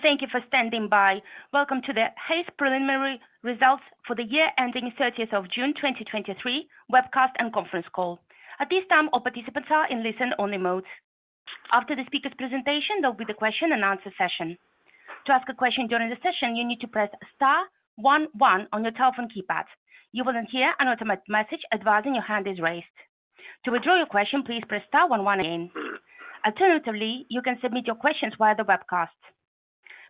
Thank you for standing by. Welcome to the Hays Preliminary Results for the year ending 30th of June 2023, webcast and conference call. At this time, all participants are in listen-only mode. After the speaker's presentation, there'll be the question and answer session. To ask a question during the session, you need to press star one one on your telephone keypad. You will then hear an automated message advising your hand is raised. To withdraw your question, please press star one one again. Alternatively, you can submit your questions via the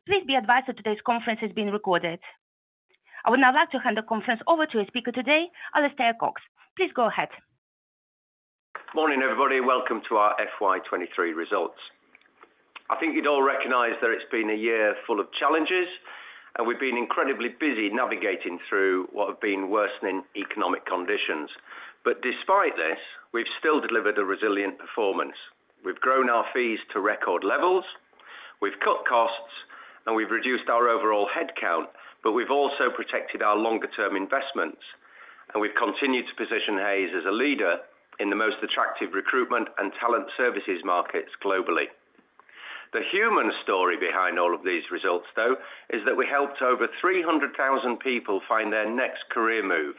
webcast. Please be advised that today's conference is being recorded. I would now like to hand the conference over to a speaker today, Alistair Cox. Please go ahead. Morning, everybody. Welcome to our FY 2023 results. I think you'd all recognize that it's been a year full of challenges, and we've been incredibly busy navigating through what have been worsening economic conditions. But despite this, we've still delivered a resilient performance. We've grown our fees to record levels, we've cut costs, and we've reduced our overall headcount, but we've also protected our longer-term investments, and we've continued to position Hays as a leader in the most attractive recruitment and talent services markets globally. The human story behind all of these results, though, is that we helped over 300,000 people find their next career move,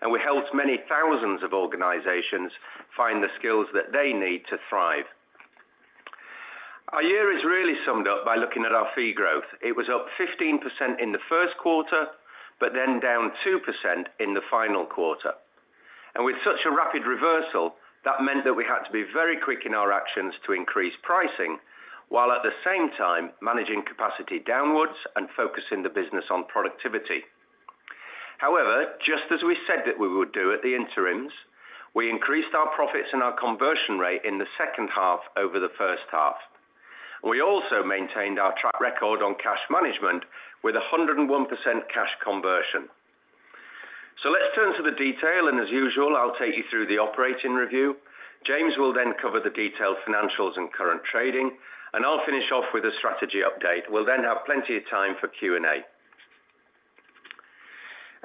and we helped many thousands of organizations find the skills that they need to thrive. Our year is really summed up by looking at our fee growth. It was up 15% in the first quarter, but then down 2% in the final quarter. With such a rapid reversal, that meant that we had to be very quick in our actions to increase pricing, while at the same time managing capacity downwards and focusing the business on productivity. However, just as we said that we would do at the interims, we increased our profits and our conversion rate in the second half over the first half. We also maintained our track record on cash management with 101% cash conversion. Let's turn to the detail, and as usual, I'll take you through the operating review. James will then cover the detailed financials and current trading, and I'll finish off with a strategy update. We'll then have plenty of time for Q&A.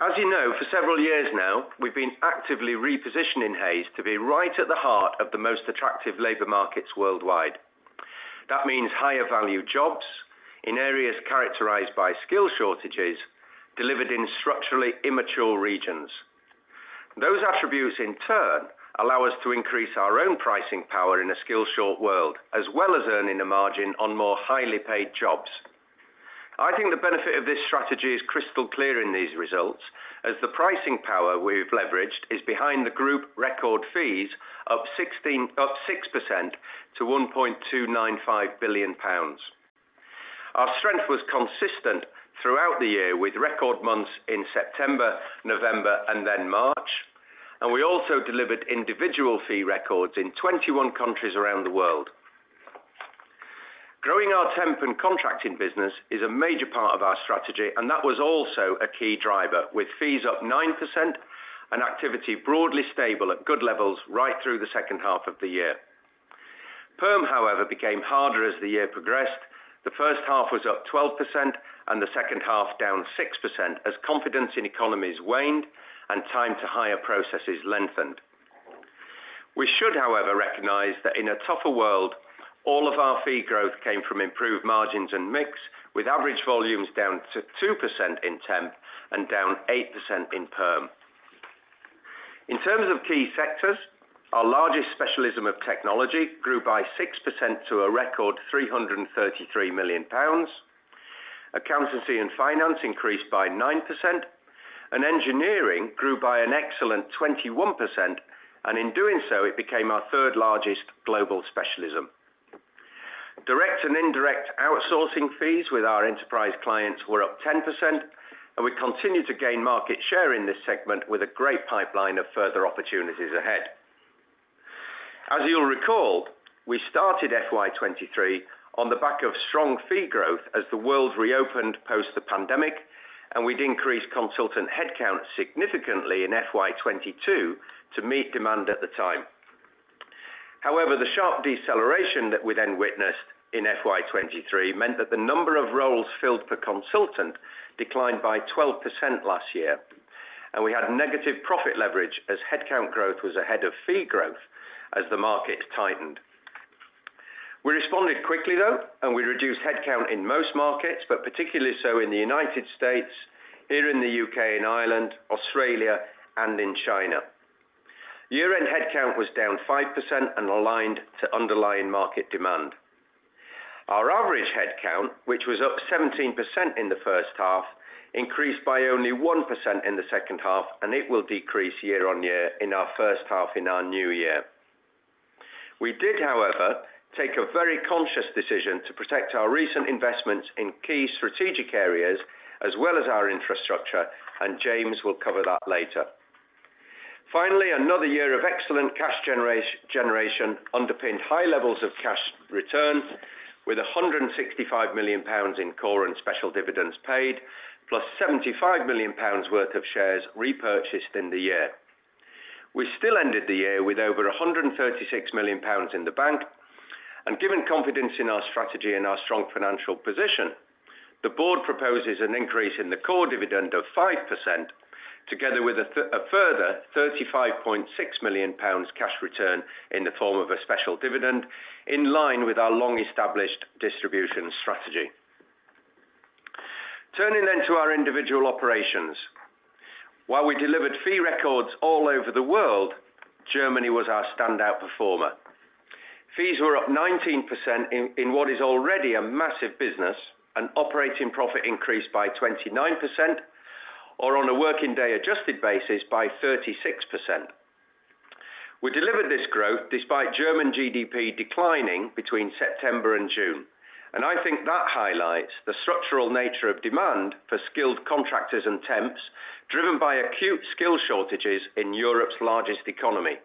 As you know, for several years now, we've been actively repositioning Hays to be right at the heart of the most attractive labor markets worldwide. That means higher value jobs in areas characterized by skill shortages delivered in structurally immature regions. Those attributes, in turn, allow us to increase our own pricing power in a skill-short world, as well as earning a margin on more highly paid jobs. I think the benefit of this strategy is crystal clear in these results, as the pricing power we've leveraged is behind the group record fees up 6% to 1.295 billion pounds. Our strength was consistent throughout the year, with record months in September, November, and then March, and we also delivered individual fee records in 21 countries around the world. Growing our temp and contracting business is a major part of our strategy, and that was also a key driver, with fees up 9% and activity broadly stable at good levels right through the second half of the year. Perm, however, became harder as the year progressed. The first half was up 12% and the second half down 6%, as confidence in economies waned and time to hire processes lengthened. We should, however, recognize that in a tougher world, all of our fee growth came from improved margins and mix, with average volumes down to 2% in temp and down 8% in perm. In terms of key sectors, our largest specialism of technology grew by 6% to a record 333 million pounds. Accountancy and finance increased by 9%, and engineering grew by an excellent 21%, and in doing so, it became our third largest global specialism. Direct and indirect outsourcing fees with our enterprise clients were up 10%, and we continue to gain market share in this segment with a great pipeline of further opportunities ahead. As you'll recall, we started FY 2023 on the back of strong fee growth as the world reopened post the pandemic, and we'd increased consultant headcount significantly in FY 2022 to meet demand at the time. However, the sharp deceleration that we then witnessed in FY 2023 meant that the number of roles filled per consultant declined by 12% last year, and we had negative profit leverage as headcount growth was ahead of fee growth as the market tightened. We responded quickly, though, and we reduced headcount in most markets, but particularly so in the United States, here in the UK and Ireland, Australia, and in China. Year-end headcount was down 5% and aligned to underlying market demand. Our average headcount, which was up 17% in the first half, increased by only 1% in the second half, and it will decrease year-on-year in our first half in our new year. We did, however, take a very conscious decision to protect our recent investments in key strategic areas as well as our infrastructure, and James will cover that later. Finally, another year of excellent cash generation underpinned high levels of cash return, with 165 million pounds in core and special dividends paid, plus 75 million pounds worth of shares repurchased in the year. We still ended the year with over 136 million pounds in the bank, and given confidence in our strategy and our strong financial position, the board proposes an increase in the core dividend of 5% together with a further 35.6 million pounds cash return in the form of a special dividend, in line with our long-established distribution strategy. Turning then to our individual operations. While we delivered fee records all over the world, Germany was our standout performer. Fees were up 19% in what is already a massive business, and operating profit increased by 29%, or on a working day adjusted basis, by 36%. We delivered this growth despite German GDP declining between September and June, and I think that highlights the structural nature of demand for skilled contractors and temps, driven by acute skill shortages in Europe's largest economy.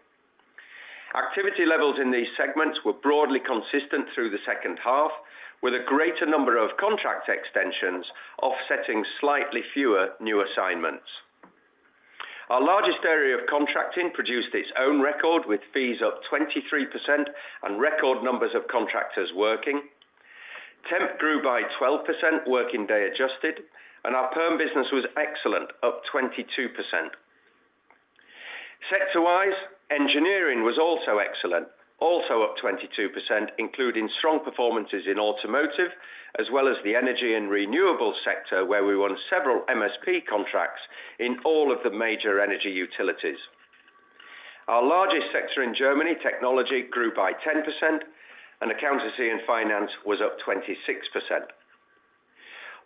Activity levels in these segments were broadly consistent through the second half, with a greater number of contract extensions offsetting slightly fewer new assignments. Our largest area of contracting produced its own record, with fees up 23% and record numbers of contractors working. Temp grew by 12%, working day adjusted, and our perm business was excellent, up 22%. Sector-wise, engineering was also excellent, also up 22%, including strong performances in automotive, as well as the energy and renewable sector, where we won several MSP contracts in all of the major energy utilities. Our largest sector in Germany, technology, grew by 10%, and accountancy and finance was up 26%.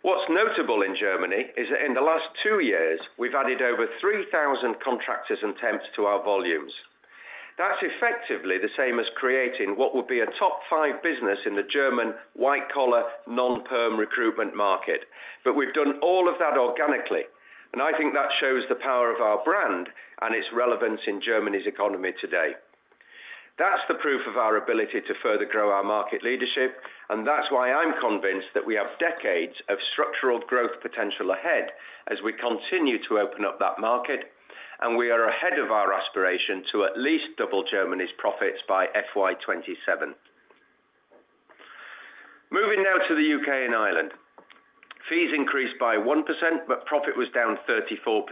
What's notable in Germany is that in the last two years, we've added over 3,000 contractors and temps to our volumes. That's effectively the same as creating what would be a top 5 business in the German white-collar, non-perm recruitment market. But we've done all of that organically, and I think that shows the power of our brand and its relevance in Germany's economy today. That's the proof of our ability to further grow our market leadership, and that's why I'm convinced that we have decades of structural growth potential ahead as we continue to open up that market, and we are ahead of our aspiration to at least double Germany's profits by FY 2027. Moving now to the UK and Ireland. Fees increased by 1%, but profit was down 34%.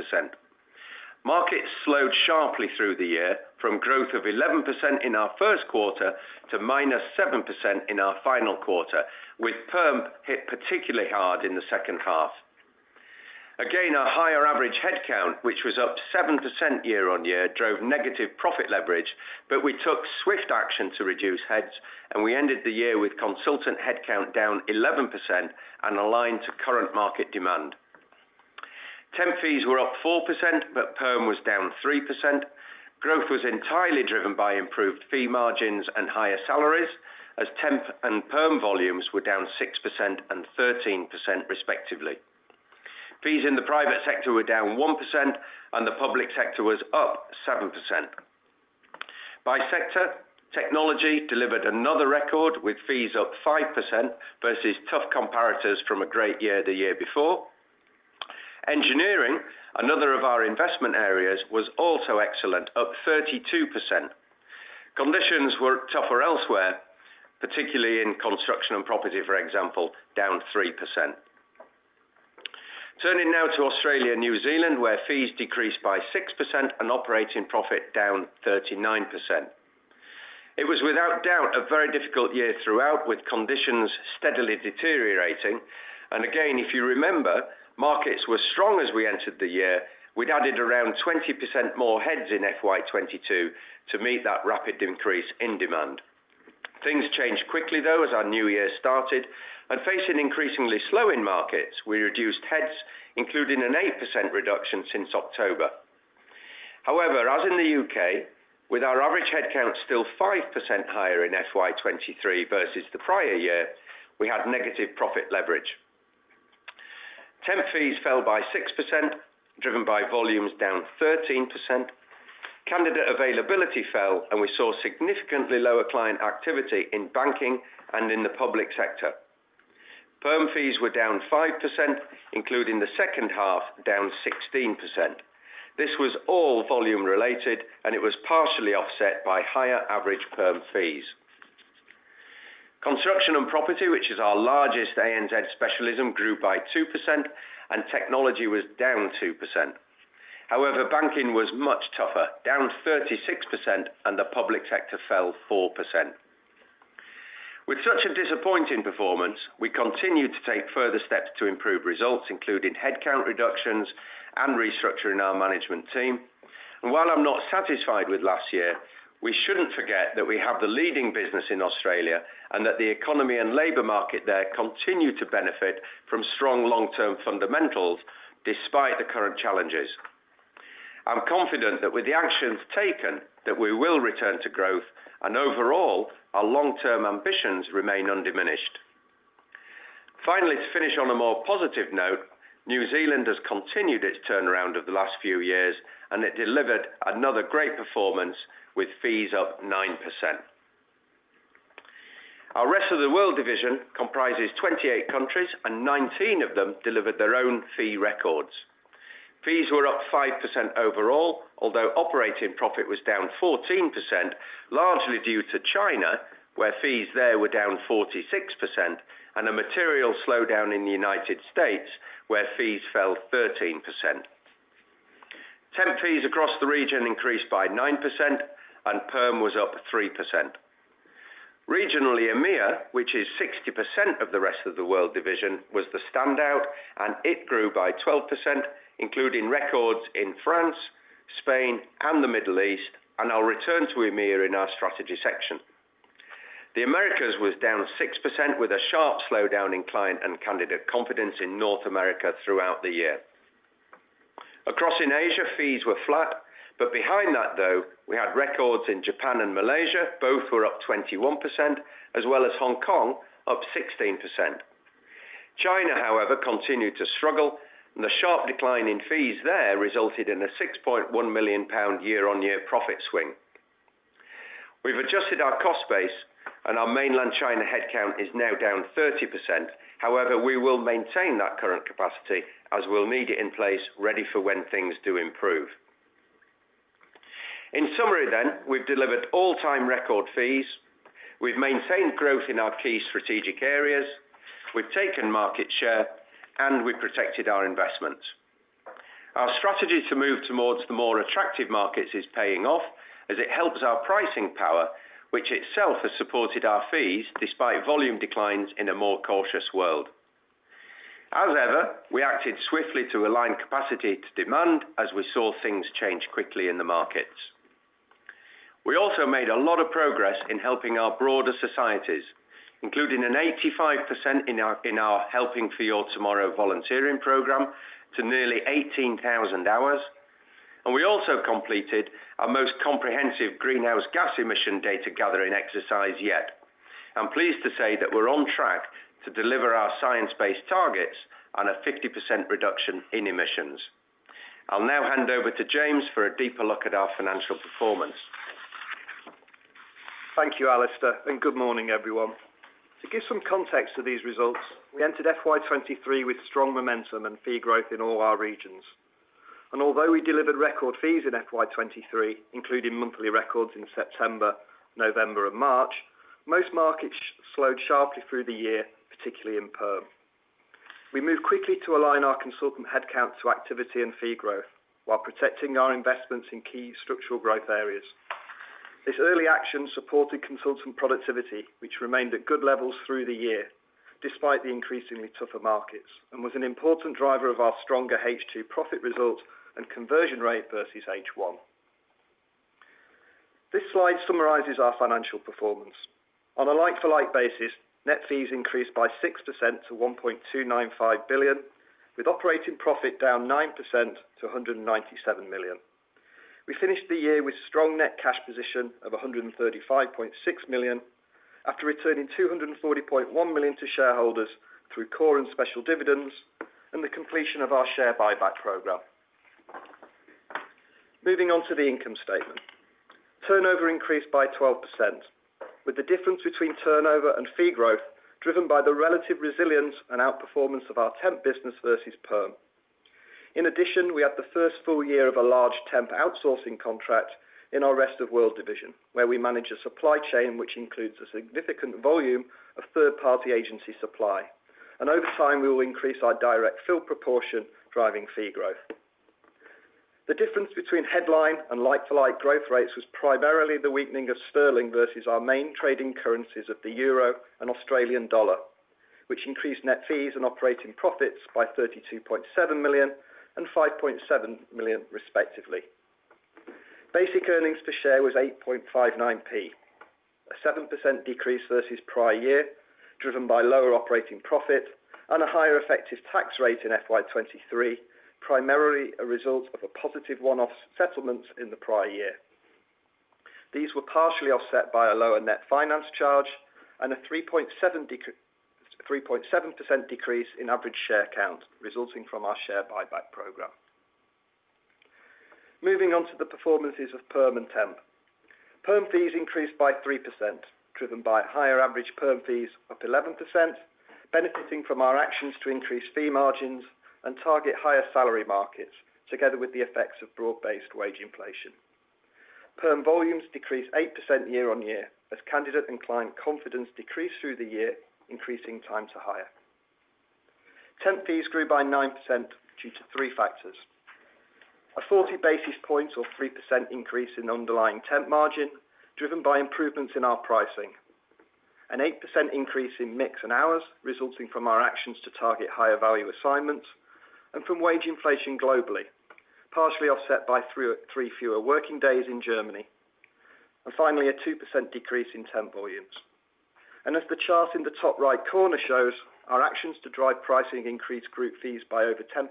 Markets slowed sharply through the year, from growth of 11% in our first quarter to -7% in our final quarter, with perm hit particularly hard in the second half. Again, our higher average headcount, which was up 7% year-on-year, drove negative profit leverage, but we took swift action to reduce heads, and we ended the year with consultant headcount down 11% and aligned to current market demand. Temp fees were up 4%, but perm was down 3%. Growth was entirely driven by improved fee margins and higher salaries, as temp and perm volumes were down 6% and 13% respectively. Fees in the private sector were down 1%, and the public sector was up 7%. By sector, technology delivered another record with fees up 5% versus tough comparators from a great year, the year before. Engineering, another of our investment areas, was also excellent, up 32%. Conditions were tougher elsewhere, particularly in construction and property, for example, down 3%. Turning now to Australia and New Zealand, where fees decreased by 6% and operating profit down 39%. It was without doubt a very difficult year throughout, with conditions steadily deteriorating. And again, if you remember, markets were strong as we entered the year. We'd added around 20% more heads in FY 2022 to meet that rapid increase in demand. Things changed quickly, though, as our new year started, and facing increasingly slowing markets, we reduced heads, including an 8% reduction since October. However, as in the UK, with our average headcount still 5% higher in FY 2023 versus the prior year, we had negative profit leverage. Temp fees fell by 6%, driven by volumes down 13%. Candidate availability fell, and we saw significantly lower client activity in banking and in the public sector. Perm fees were down 5%, including the second half, down 16%. This was all volume-related, and it was partially offset by higher average perm fees. Construction and property, which is our largest ANZ specialism, grew by 2%, and technology was down 2%. However, banking was much tougher, down 36%, and the public sector fell 4%. With such a disappointing performance, we continued to take further steps to improve results, including headcount reductions and restructuring our management team. And while I'm not satisfied with last year, we shouldn't forget that we have the leading business in Australia and that the economy and labor market there continue to benefit from strong long-term fundamentals despite the current challenges. I'm confident that with the actions taken, that we will return to growth, and overall, our long-term ambitions remain undiminished. Finally, to finish on a more positive note, New Zealand has continued its turnaround over the last few years, and it delivered another great performance with fees up 9%. Our Rest of the World division comprises 28 countries, and 19 of them delivered their own fee records. Fees were up 5% overall, although operating profit was down 14%, largely due to China, where fees there were down 46%, and a material slowdown in the United States, where fees fell 13%. Temp fees across the region increased by 9%, and perm was up 3%. Regionally, EMEA, which is 60% of the rest of the world division, was the standout, and it grew by 12%, including records in France, Spain, and the Middle East, and I'll return to EMEA in our strategy section. The Americas was down 6% with a sharp slowdown in client and candidate confidence in North America throughout the year. Across in Asia, fees were flat, but behind that, though, we had records in Japan and Malaysia, both were up 21%, as well as Hong Kong, up 16%. China, however, continued to struggle, and the sharp decline in fees there resulted in a 6.1 million pound year-on-year profit swing. We've adjusted our cost base, and our mainland China headcount is now down 30%. However, we will maintain that current capacity as we'll need it in place, ready for when things do improve. In summary then, we've delivered all-time record fees, we've maintained growth in our key strategic areas, we've taken market share, and we've protected our investments. Our strategy to move towards the more attractive markets is paying off as it helps our pricing power, which itself has supported our fees despite volume declines in a more cautious world. As ever, we acted swiftly to align capacity to demand as we saw things change quickly in the markets. We also made a lot of progress in helping our broader societies, including an 85% in our Helping for Your Tomorrow volunteering program to nearly 18,000 hours, and we also completed our most comprehensive greenhouse gas emission data gathering exercise yet. I'm pleased to say that we're on track to deliver our science-based targets on a 50% reduction in emissions. I'll now hand over to James for a deeper look at our financial performance. Thank you, Alistair, and good morning, everyone. To give some context to these results, we entered FY 2023 with strong momentum and fee growth in all our regions. And although we delivered record fees in FY 2023, including monthly records in September, November and March, most markets slowed sharply through the year, particularly in perm. We moved quickly to align our consultant headcount to activity and fee growth while protecting our investments in key structural growth areas. This early action supported consultant productivity, which remained at good levels through the year, despite the increasingly tougher markets, and was an important driver of our stronger H2 profit result and conversion rate versus H1. This slide summarizes our financial performance. On a like-for-like basis, net fees increased by 6% to 1.295 billion, with operating profit down 9% to 197 million. We finished the year with strong net cash position of 135.6 million, after returning 240.1 million to shareholders through core and special dividends and the completion of our share buyback program. Moving on to the income statement. Turnover increased by 12%, with the difference between turnover and fee growth driven by the relative resilience and outperformance of our temp business versus perm. In addition, we have the first full year of a large temp outsourcing contract in our rest of world division, where we manage a supply chain, which includes a significant volume of third-party agency supply. And over time, we will increase our direct fill proportion, driving fee growth. The difference between headline and like-for-like growth rates was primarily the weakening of sterling versus our main trading currencies of the euro and Australian dollar, which increased net fees and operating profits by 32.7 million and 5.7 million, respectively. Basic earnings per share was 8.59p, a 7% decrease versus prior year, driven by lower operating profit and a higher effective tax rate in FY 2023, primarily a result of a positive one-off settlement in the prior year. These were partially offset by a lower net finance charge and a 3.7% decrease in average share count, resulting from our share buyback program. Moving on to the performances of perm and temp. Perm fees increased by 3%, driven by higher average perm fees up to 11%, benefiting from our actions to increase fee margins and target higher salary markets, together with the effects of broad-based wage inflation. Perm volumes decreased 8% year-on-year, as candidate and client confidence decreased through the year, increasing time to hire. Temp fees grew by 9% due to three factors: a 40 basis points or 3% increase in underlying temp margin, driven by improvements in our pricing. An 8% increase in mix and hours, resulting from our actions to target higher value assignments and from wage inflation globally, partially offset by 3 fewer working days in Germany. Finally, a 2% decrease in temp volumes. As the chart in the top right corner shows, our actions to drive pricing increased group fees by over 10%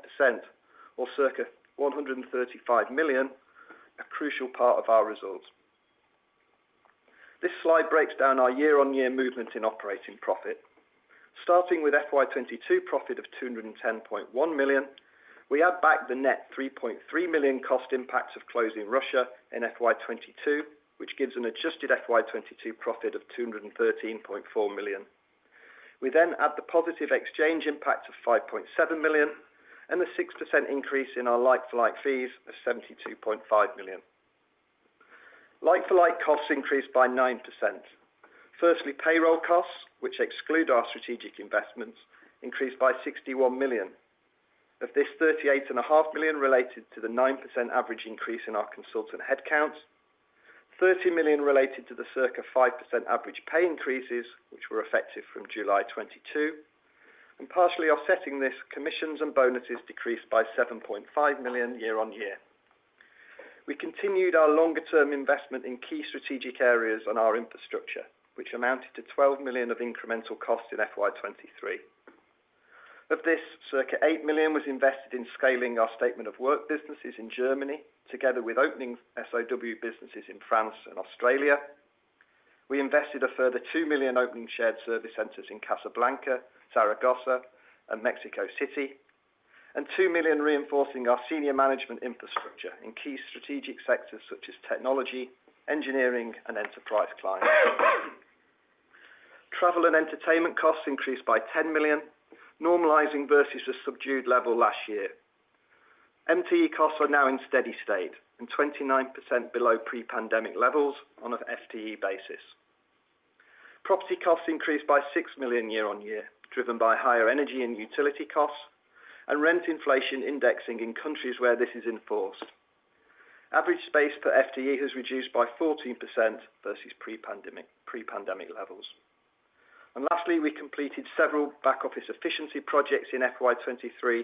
or circa 135 million, a crucial part of our results. This slide breaks down our year-on-year movement in operating profit. Starting with FY 2022 profit of 210.1 million, we add back the net 3.3 million cost impacts of closing Russia in FY 2022, which gives an adjusted FY 2022 profit of 213.4 million. We then add the positive exchange impact of 5.7 million and a 6% increase in our like-for-like fees of 72.5 million.... Like-for-like costs increased by 9%. Firstly, payroll costs, which exclude our strategic investments, increased by 61 million. Of this, 38.5 million related to the 9% average increase in our consultant headcounts, 30 million related to the circa 5% average pay increases, which were effective from July 2022, and partially offsetting this, commissions and bonuses decreased by 7.5 million year-on-year. We continued our longer-term investment in key strategic areas on our infrastructure, which amounted to 12 million of incremental cost in FY 2023. Of this, circa 8 million was invested in scaling our statement of work businesses in Germany, together with opening SOW businesses in France and Australia. We invested a further 2 million opening shared service centers in Casablanca, Zaragoza, and Mexico City, and 2 million reinforcing our senior management infrastructure in key strategic sectors such as technology, engineering, and enterprise clients. Travel and entertainment costs increased by 10 million, normalizing versus a subdued level last year. MTE costs are now in steady state and 29% below pre-pandemic levels on an FTE basis. Property costs increased by 6 million year-on-year, driven by higher energy and utility costs and rent inflation indexing in countries where this is enforced. Average space per FTE has reduced by 14% versus pre-pandemic levels. Lastly, we completed several back-office efficiency projects in FY 2023,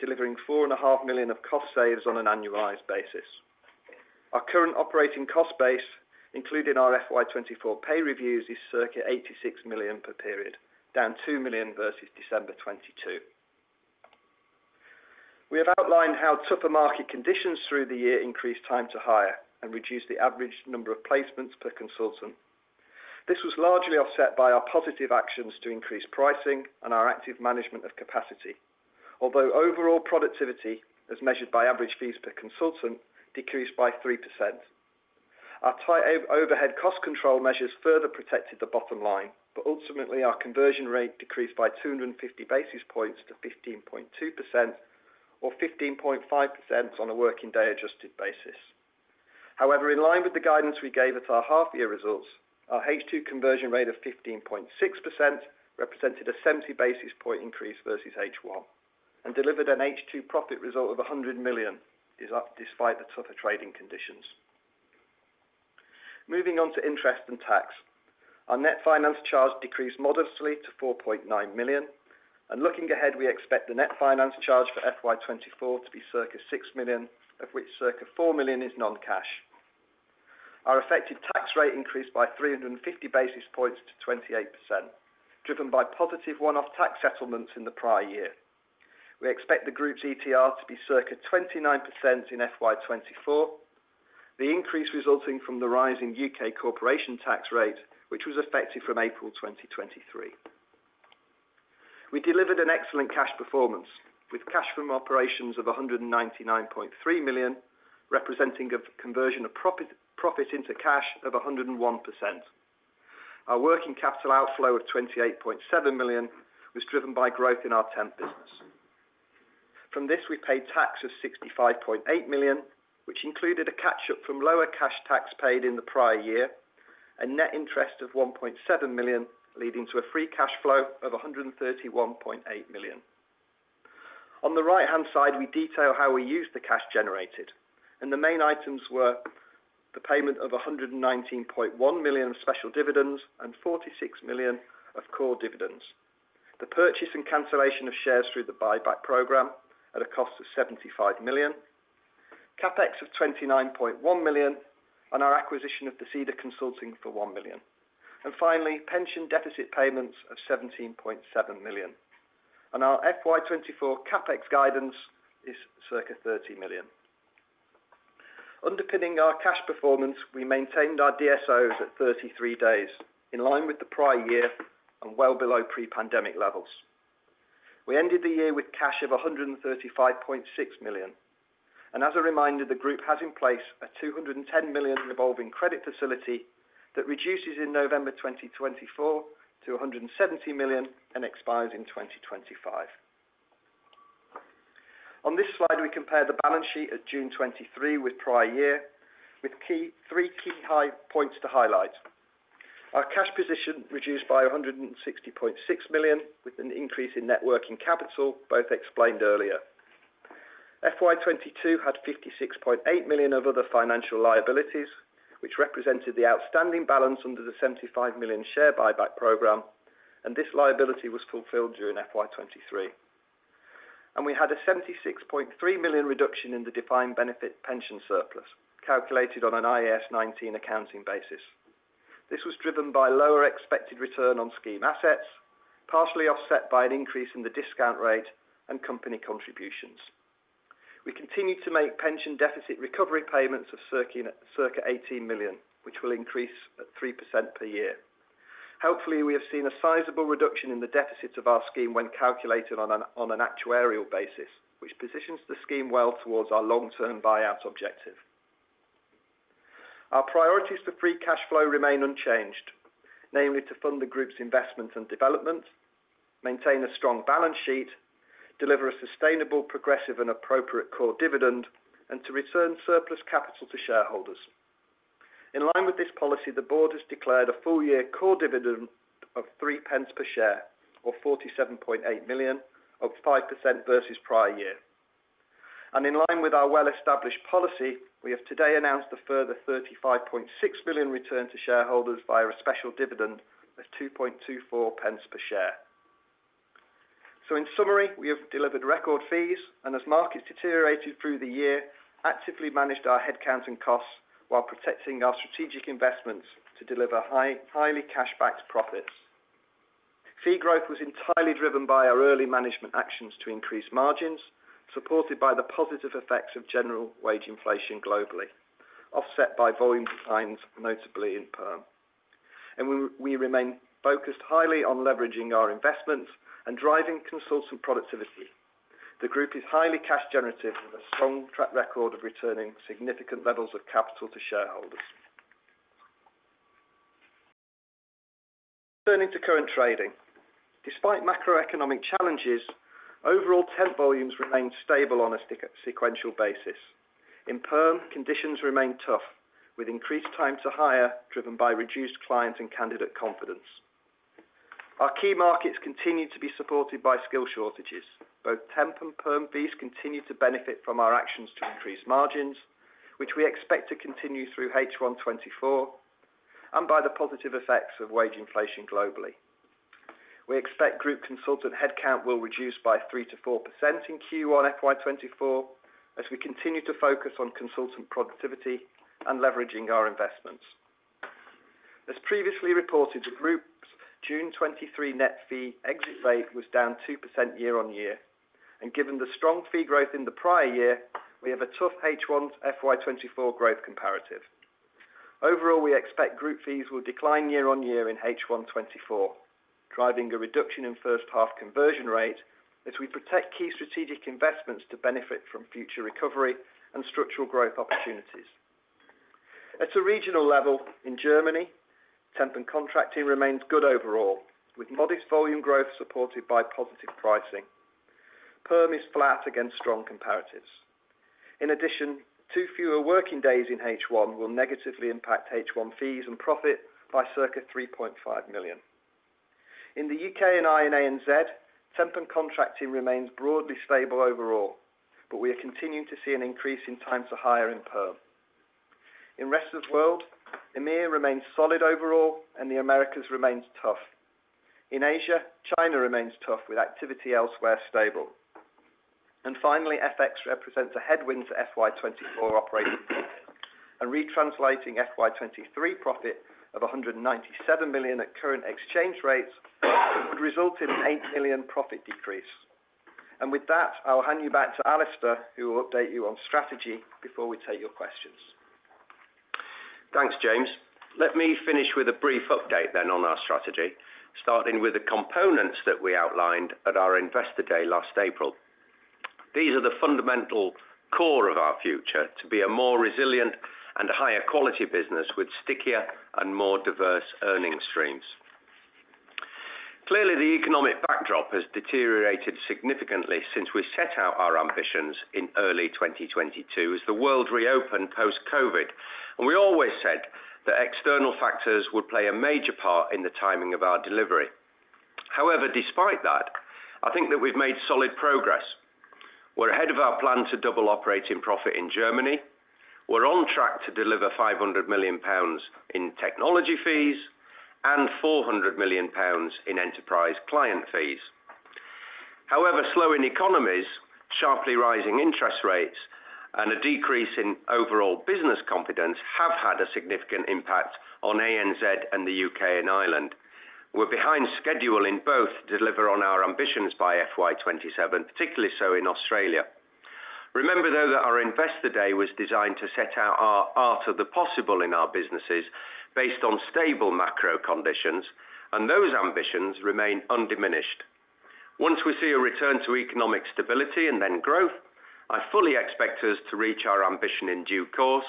delivering 4.5 million of cost saves on an annualized basis. Our current operating cost base, including our FY 2024 pay reviews, is circa 86 million per period, down 2 million versus December 2022. We have outlined how tougher market conditions through the year increased time to hire and reduced the average number of placements per consultant. This was largely offset by our positive actions to increase pricing and our active management of capacity. Although overall productivity, as measured by average fees per consultant, decreased by 3%. Our tight overhead cost control measures further protected the bottom line, but ultimately, our conversion rate decreased by 250 basis points to 15.2%, or 15.5% on a working day adjusted basis. However, in line with the guidance we gave at our half year results, our H2 conversion rate of 15.6% represented a 70 basis point increase versus H1 and delivered an H2 profit result of 100 million, despite the tougher trading conditions. Moving on to interest and tax. Our net finance charge decreased modestly to 4.9 million, and looking ahead, we expect the net finance charge for FY 2024 to be circa 6 million, of which circa 4 million is non-cash. Our effective tax rate increased by 350 basis points to 28%, driven by positive one-off tax settlements in the prior year. We expect the group's ETR to be circa 29% in FY 2024, the increase resulting from the rise in UK corporation tax rate, which was effective from April 2023. We delivered an excellent cash performance, with cash from operations of 199.3 million, representing a conversion of profit, profit into cash of 101%. Our working capital outflow of 28.7 million was driven by growth in our temp business. From this, we paid tax of 65.8 million, which included a catch-up from lower cash tax paid in the prior year, and net interest of 1.7 million, leading to a free cash flow of 131.8 million. On the right-hand side, we detail how we used the cash generated, and the main items were the payment of 119.1 million special dividends and 46 million of core dividends, the purchase and cancellation of shares through the buyback program at a cost of 75 million, CapEx of 29.1 million, and our acquisition of Vercida Consulting for 1 million. Finally, pension deficit payments of 17.7 million. Our FY 2024 CapEx guidance is circa 30 million. Underpinning our cash performance, we maintained our DSOs at 33 days, in line with the prior year and well below pre-pandemic levels. We ended the year with cash of 135.6 million, and as a reminder, the group has in place a 210 million revolving credit facility that reduces in November 2024 to 170 million and expires in 2025. On this slide, we compare the balance sheet of June 2023 with prior year, with three key high points to highlight. Our cash position reduced by 160.6 million, with an increase in net working capital, both explained earlier. FY 2022 had 56.8 million of other financial liabilities, which represented the outstanding balance under the 75 million share buyback program, and this liability was fulfilled during FY 2023. We had a 76.3 million reduction in the defined benefit pension surplus, calculated on an IAS 19 accounting basis. This was driven by lower expected return on scheme assets, partially offset by an increase in the discount rate and company contributions. We continued to make pension deficit recovery payments of circa 18 million, which will increase at 3% per year. Helpfully, we have seen a sizable reduction in the deficits of our scheme when calculated on an actuarial basis, which positions the scheme well towards our long-term buyout objective. Our priorities for free cash flow remain unchanged, namely to fund the group's investment and development, maintain a strong balance sheet, deliver a sustainable, progressive, and appropriate core dividend, and to return surplus capital to shareholders. In line with this policy, the board has declared a full-year core dividend of 3 pence per share, or 47.8 million, up 5% versus prior year. In line with our well-established policy, we have today announced a further 35.6 million return to shareholders via a special dividend of 0.0224 per share. So in summary, we have delivered record fees, and as markets deteriorated through the year, actively managed our headcount and costs while protecting our strategic investments to deliver highly cash-backed profits. Fee growth was entirely driven by our early management actions to increase margins, supported by the positive effects of general wage inflation globally, offset by volume declines, notably in perm. And we remain focused highly on leveraging our investments and driving consultant productivity. The group is highly cash generative with a strong track record of returning significant levels of capital to shareholders. Turning to current trading. Despite macroeconomic challenges, overall temp volumes remained stable on a sequential basis. In perm, conditions remain tough, with increased time to hire, driven by reduced clients and candidate confidence. Our key markets continue to be supported by skill shortages. Both temp and perm fees continue to benefit from our actions to increase margins, which we expect to continue through H1 2024, and by the positive effects of wage inflation globally. We expect group consultant headcount will reduce by 3%-4% in Q1 FY 2024, as we continue to focus on consultant productivity and leveraging our investments. As previously reported, the group's June 2023 net fee exit rate was down 2% year-on-year, and given the strong fee growth in the prior year, we have a tough H1 FY 2024 growth comparative. Overall, we expect group fees will decline year-on-year in H1 2024, driving a reduction in first half conversion rate as we protect key strategic investments to benefit from future recovery and structural growth opportunities. At a regional level, in Germany, temp and contracting remains good overall, with modest volume growth supported by positive pricing. Perm is flat against strong comparatives. In addition, 2 fewer working days in H1 will negatively impact H1 fees and profit by circa 3.5 million. In the UK and Ireland and Australia and New Zealand, temp and contracting remains broadly stable overall, but we are continuing to see an increase in time to hire in perm. In rest of the world, EMEA remains solid overall, and the Americas remains tough. In Asia, China remains tough, with activity elsewhere stable. Finally, FX represents a headwind for FY 2024 operating profit, and retranslating FY 2023 profit of 197 million at current exchange rates would result in a 8 million profit decrease. With that, I'll hand you back to Alistair, who will update you on strategy before we take your questions. Thanks, James. Let me finish with a brief update then on our strategy, starting with the components that we outlined at our Investor Day last April. These are the fundamental core of our future, to be a more resilient and higher quality business with stickier and more diverse earning streams. Clearly, the economic backdrop has deteriorated significantly since we set out our ambitions in early 2022 as the world reopened post-COVID, and we always said that external factors would play a major part in the timing of our delivery. However, despite that, I think that we've made solid progress. We're ahead of our plan to double operating profit in Germany. We're on track to deliver 500 million pounds in technology fees and 400 million pounds in enterprise client fees. However, slowing economies, sharply rising interest rates, and a decrease in overall business confidence have had a significant impact on ANZ and the UK and Ireland. We're behind schedule in both deliver on our ambitions by FY 2027, particularly so in Australia. Remember, though, that our Investor Day was designed to set out our art of the possible in our businesses based on stable macro conditions, and those ambitions remain undiminished. Once we see a return to economic stability and then growth, I fully expect us to reach our ambition in due course,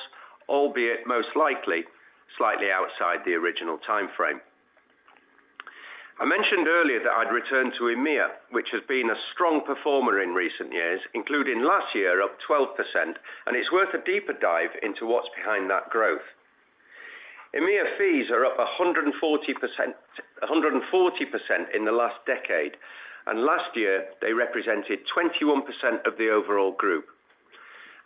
albeit most likely, slightly outside the original time frame. I mentioned earlier that I'd return to EMEA, which has been a strong performer in recent years, including last year, up 12%, and it's worth a deeper dive into what's behind that growth. EMEA fees are up 140%, 140% in the last decade, and last year, they represented 21% of the overall group.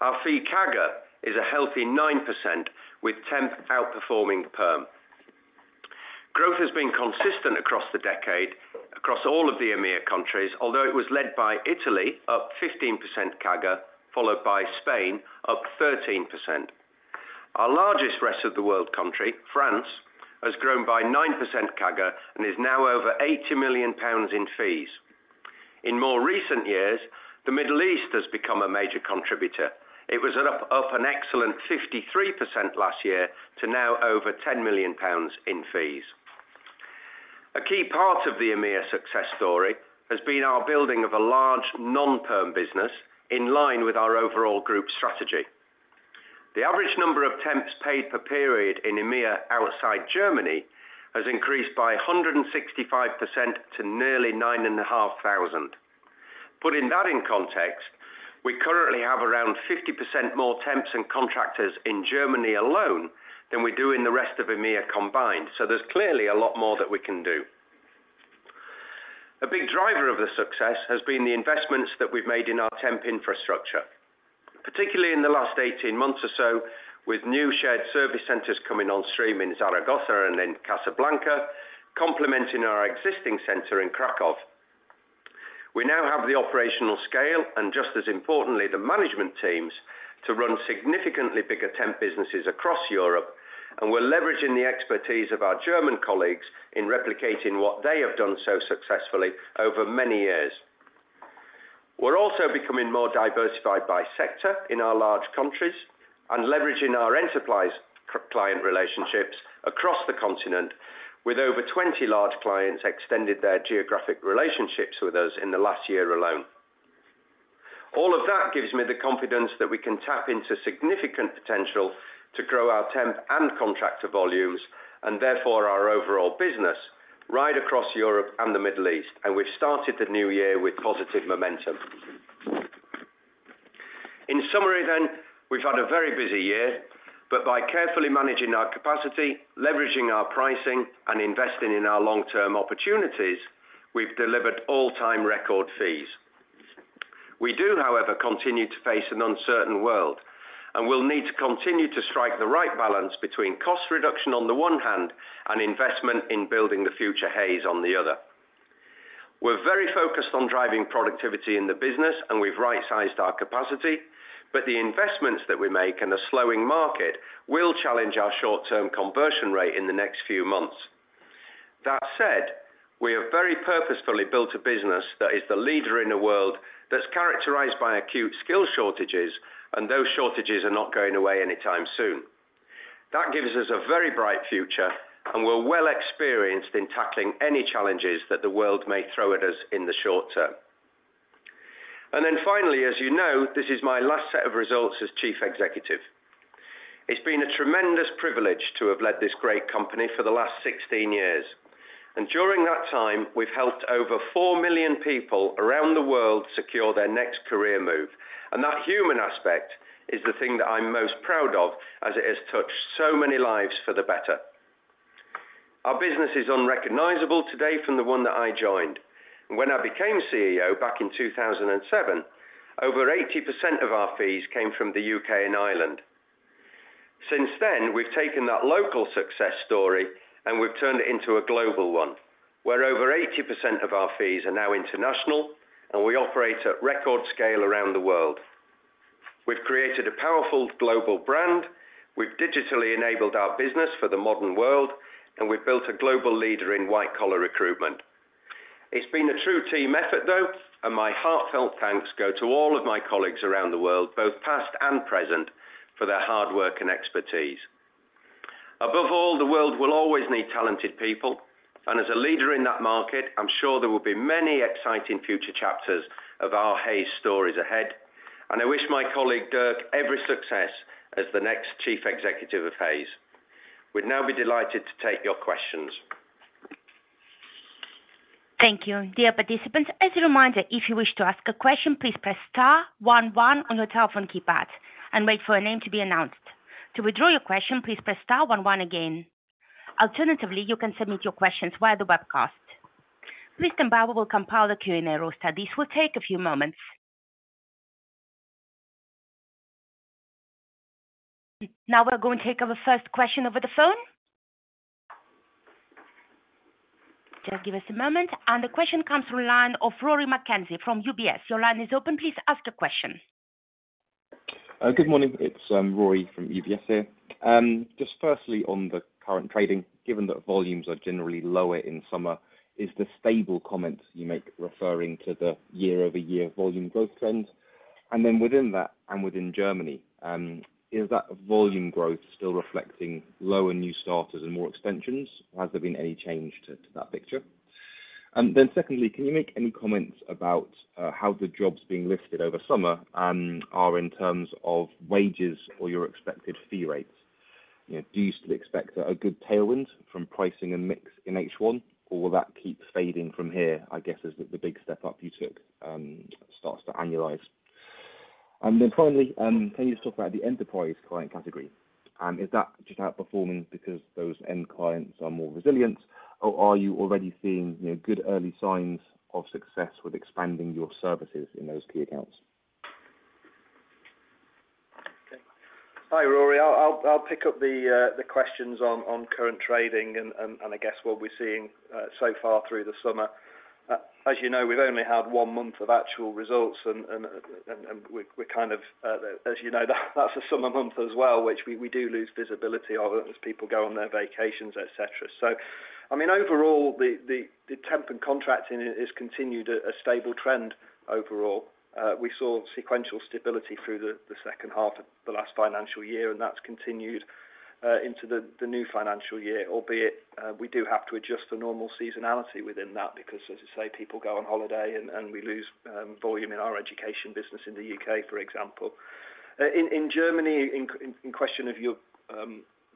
Our fee CAGR is a healthy 9%, with temp outperforming perm. Growth has been consistent across the decade across all of the EMEA countries, although it was led by Italy, up 15% CAGR, followed by Spain, up 13%. Our largest rest of the world country, France, has grown by 9% CAGR and is now over 80 million pounds in fees. In more recent years, the Middle East has become a major contributor. It was up an excellent 53% last year to now over 10 million pounds in fees. A key part of the EMEA success story has been our building of a large non-perm business in line with our overall group strategy. The average number of temps paid per period in EMEA outside Germany has increased by 165% to nearly 9,500. Putting that in context, we currently have around 50% more temps and contractors in Germany alone than we do in the rest of EMEA combined, so there's clearly a lot more that we can do. A big driver of the success has been the investments that we've made in our temp infrastructure, particularly in the last 18 months or so, with new shared service centers coming on stream in Zaragoza and in Casablanca, complementing our existing center in Krakow. We now have the operational scale and just as importantly, the management teams, to run significantly bigger temp businesses across Europe, and we're leveraging the expertise of our German colleagues in replicating what they have done so successfully over many years. We're also becoming more diversified by sector in our large countries and leveraging our enterprise client relationships across the continent, with over 20 large clients extended their geographic relationships with us in the last year alone. All of that gives me the confidence that we can tap into significant potential to grow our temp and contractor volumes, and therefore our overall business right across Europe and the Middle East, and we've started the new year with positive momentum. In summary then, we've had a very busy year, but by carefully managing our capacity, leveraging our pricing, and investing in our long-term opportunities, we've delivered all-time record fees. We do, however, continue to face an uncertain world, and we'll need to continue to strike the right balance between cost reduction on the one hand, and investment in building the future Hays on the other. We're very focused on driving productivity in the business, and we've right-sized our capacity, but the investments that we make in a slowing market will challenge our short-term conversion rate in the next few months. That said, we have very purposefully built a business that is the leader in a world that's characterized by acute skill shortages, and those shortages are not going away anytime soon. That gives us a very bright future, and we're well experienced in tackling any challenges that the world may throw at us in the short term. And then finally, as you know, this is my last set of results as Chief Executive. It's been a tremendous privilege to have led this great company for the last 16 years, and during that time, we've helped over 4 million people around the world secure their next career move. That human aspect is the thing that I'm most proud of, as it has touched so many lives for the better. Our business is unrecognizable today from the one that I joined. When I became CEO back in 2007, over 80% of our fees came from the UK and Ireland. Since then, we've taken that local success story, and we've turned it into a global one, where over 80% of our fees are now international, and we operate at record scale around the world. We've created a powerful global brand, we've digitally enabled our business for the modern world, and we've built a global leader in white-collar recruitment. It's been a true team effort, though, and my heartfelt thanks go to all of my colleagues around the world, both past and present, for their hard work and expertise. Above all, the world will always need talented people, and as a leader in that market, I'm sure there will be many exciting future chapters of our Hays stories ahead, and I wish my colleague, Dirk, every success as the next Chief Executive of Hays. We'd now be delighted to take your questions. Thank you. Dear participants, as a reminder, if you wish to ask a question, please press star one one on your telephone keypad and wait for your name to be announced. To withdraw your question, please press star one one again. Alternatively, you can submit your questions via the webcast. Please stand by. We will compile the Q&A roster. This will take a few moments. Now we're going to take our first question over the phone. Just give us a moment. The question comes through the line of Rory McKenzie from UBS. Your line is open. Please ask the question. Good morning. It's Rory from UBS here. Just firstly, on the current trading, given that volumes are generally lower in summer, is the stable comments you make referring to the year-over-year volume growth trends? And then within that, and within Germany, is that volume growth still reflecting lower new starters and more extensions, or has there been any change to that picture? And then secondly, can you make any comments about how the jobs being lifted over summer are in terms of wages or your expected fee rates? You know, do you still expect a good tailwind from pricing and mix in H1, or will that keep fading from here, I guess, as the big step up you took starts to annualize. And then finally, can you just talk about the enterprise client category? Is that just outperforming because those end clients are more resilient, or are you already seeing, you know, good early signs of success with expanding your services in those key accounts? Hi, Rory. I'll pick up the questions on current trading and I guess what we're seeing so far through the summer. As you know, we've only had one month of actual results and we're kind of, as you know, that's a summer month as well, which we do lose visibility of it as people go on their vacations, et cetera. So, I mean, overall, the temp and contracting has continued a stable trend overall. We saw sequential stability through the second half of the last financial year, and that's continued. ...into the new financial year, albeit we do have to adjust for normal seasonality within that, because, as I say, people go on holiday and we lose volume in our education business in the UK, for example. In Germany, in question of your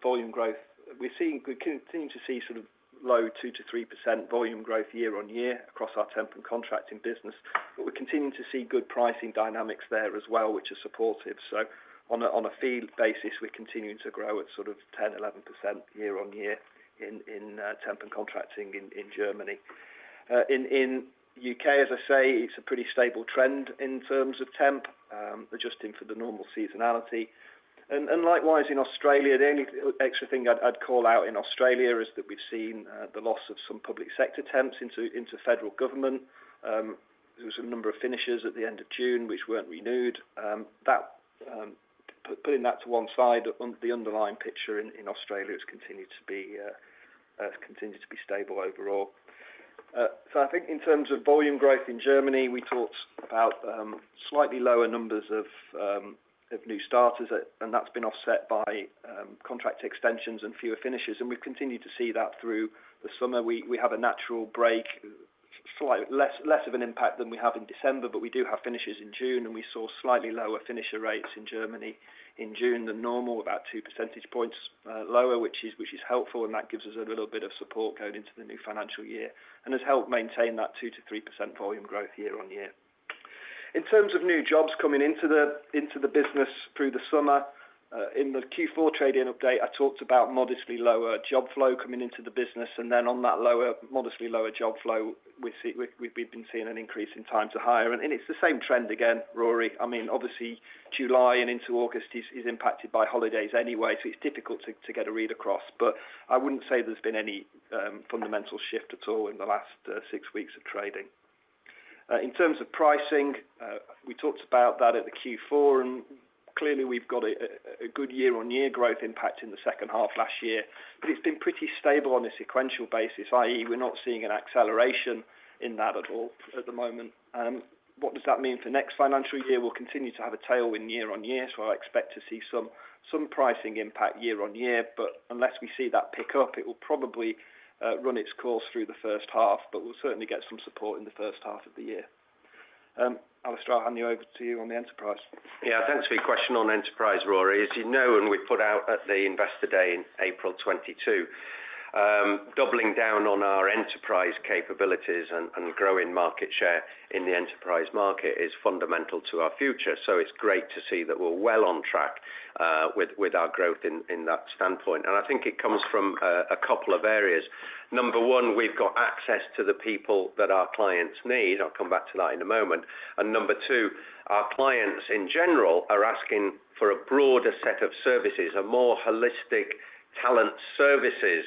volume growth, we continue to see sort of low 2%-3% volume growth year-on-year across our temp and contracting business. But we're continuing to see good pricing dynamics there as well, which is supportive. So on a fee basis, we're continuing to grow at sort of 10%-11% year-on-year in temp and contracting in Germany. In UK, as I say, it's a pretty stable trend in terms of temp, adjusting for the normal seasonality. And likewise in Australia, the only extra thing I'd call out in Australia is that we've seen the loss of some public sector temps into federal government. There was a number of finishes at the end of June, which weren't renewed. Putting that to one side, the underlying picture in Australia has continued to be stable overall. So I think in terms of volume growth in Germany, we talked about slightly lower numbers of new starters, and that's been offset by contract extensions and fewer finishes, and we've continued to see that through the summer. We have a natural break, slightly less of an impact than we have in December, but we do have fills in June, and we saw slightly lower fill rates in Germany in June than normal, about 2 percentage points lower, which is helpful, and that gives us a little bit of support going into the new financial year, and has helped maintain that 2%-3% volume growth year-on-year. In terms of new jobs coming into the business through the summer, in the Q4 trading update, I talked about modestly lower job flow coming into the business, and then on that modestly lower job flow, we've been seeing an increase in time to hire. And it's the same trend again, Rory. I mean, obviously, July and into August is impacted by holidays anyway, so it's difficult to get a read across, but I wouldn't say there's been any fundamental shift at all in the last six weeks of trading. In terms of pricing, we talked about that at the Q4, and clearly, we've got a good year-on-year growth impact in the second half last year, but it's been pretty stable on a sequential basis, i.e., we're not seeing an acceleration in that at all at the moment. What does that mean for next financial year? We'll continue to have a tailwind year on year, so I expect to see some pricing impact year on year, but unless we see that pick up, it will probably run its course through the first half, but we'll certainly get some support in the first half of the year. Alistair, I'll hand you over to you on the Enterprise. Yeah, thanks for your question on Enterprise, Rory. As you know, and we put out at the Investor Day in April 2022, doubling down on our enterprise capabilities and growing market share in the enterprise market is fundamental to our future. So it's great to see that we're well on track with our growth in that standpoint. And I think it comes from a couple of areas. Number one, we've got access to the people that our clients need. I'll come back to that in a moment. And number two, our clients, in general, are asking for a broader set of services, a more holistic talent services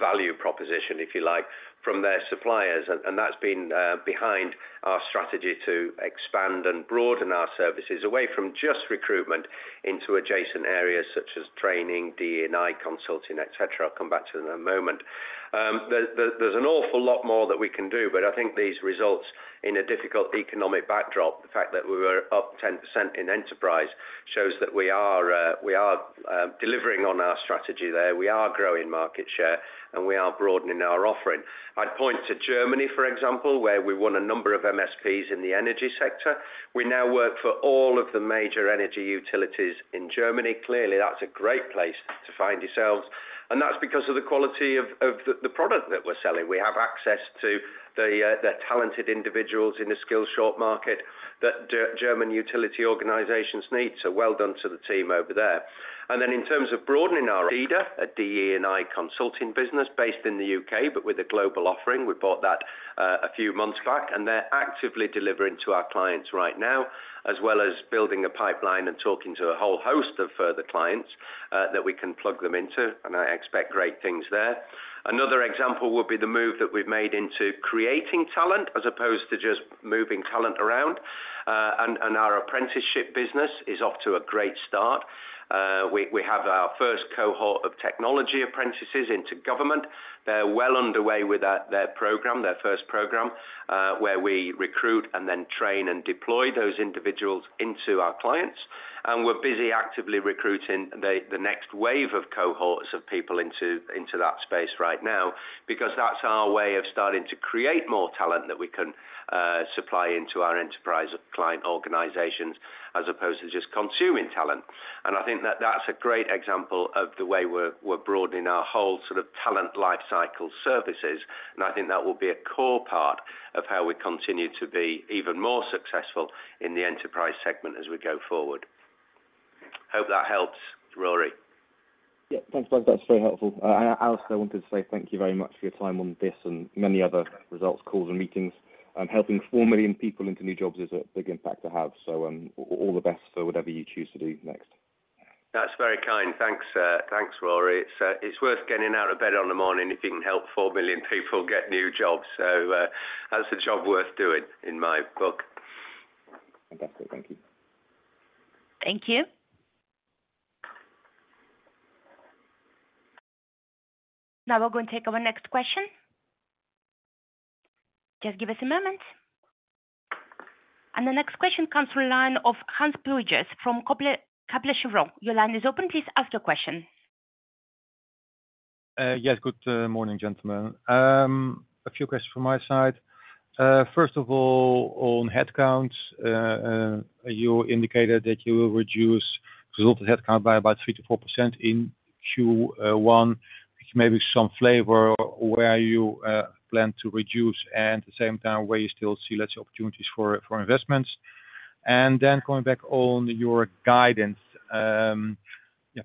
value proposition, if you like, from their suppliers. And that's been behind our strategy to expand and broaden our services away from just recruitment into adjacent areas such as training, DE&I consulting, et cetera. I'll come back to in a moment. There, there's an awful lot more that we can do, but I think these results in a difficult economic backdrop, the fact that we were up 10% in Enterprise, shows that we are, we are, delivering on our strategy there. We are growing market share, and we are broadening our offering. I'd point to Germany, for example, where we won a number of MSPs in the energy sector. We now work for all of the major energy utilities in Germany. Clearly, that's a great place to find yourselves, and that's because of the quality of, of the, the product that we're selling. We have access to the, the talented individuals in the skills short market that German utility organizations need. So well done to the team over there. And then in terms of Vercida, a DE&I consulting business based in the UK, but with a global offering, we bought that a few months back, and they're actively delivering to our clients right now, as well as building a pipeline and talking to a whole host of further clients that we can plug them into, and I expect great things there. Another example would be the move that we've made into creating talent, as opposed to just moving talent around, and our apprenticeship business is off to a great start. We have our first cohort of technology apprentices into government. They're well underway with that, their program, their first program, where we recruit and then train and deploy those individuals into our clients. And we're busy actively recruiting the next wave of cohorts of people into that space right now, because that's our way of starting to create more talent that we can supply into our enterprise client organizations, as opposed to just consuming talent. And I think that that's a great example of the way we're broadening our whole sort of talent lifecycle services, and I think that will be a core part of how we continue to be even more successful in the enterprise segment as we go forward. Hope that helps, Rory. Yeah, thanks, guys. That's very helpful. Alistair, I wanted to say thank you very much for your time on this and many other results, calls, and meetings. Helping 4 million people into new jobs is a big impact to have, so all the best for whatever you choose to do next. That's very kind. Thanks, thanks, Rory. It's, it's worth getting out of bed on the morning if you can help 4 million people get new jobs. So, that's a job worth doing in my book. Fantastic. Thank you. Thank you. Now we'll go and take our next question. Just give us a moment. The next question comes from the line of Hans Heimbürger from Kepler Cheuvreux. Your line is open. Please ask your question. Yes, good morning, gentlemen. A few questions from my side. First of all, on headcounts, you indicated that you will reduce total headcount by about 3%-4% in Q1. Maybe some flavor where you plan to reduce, and at the same time, where you still see lots of opportunities for investments. And then going back on your guidance, yeah,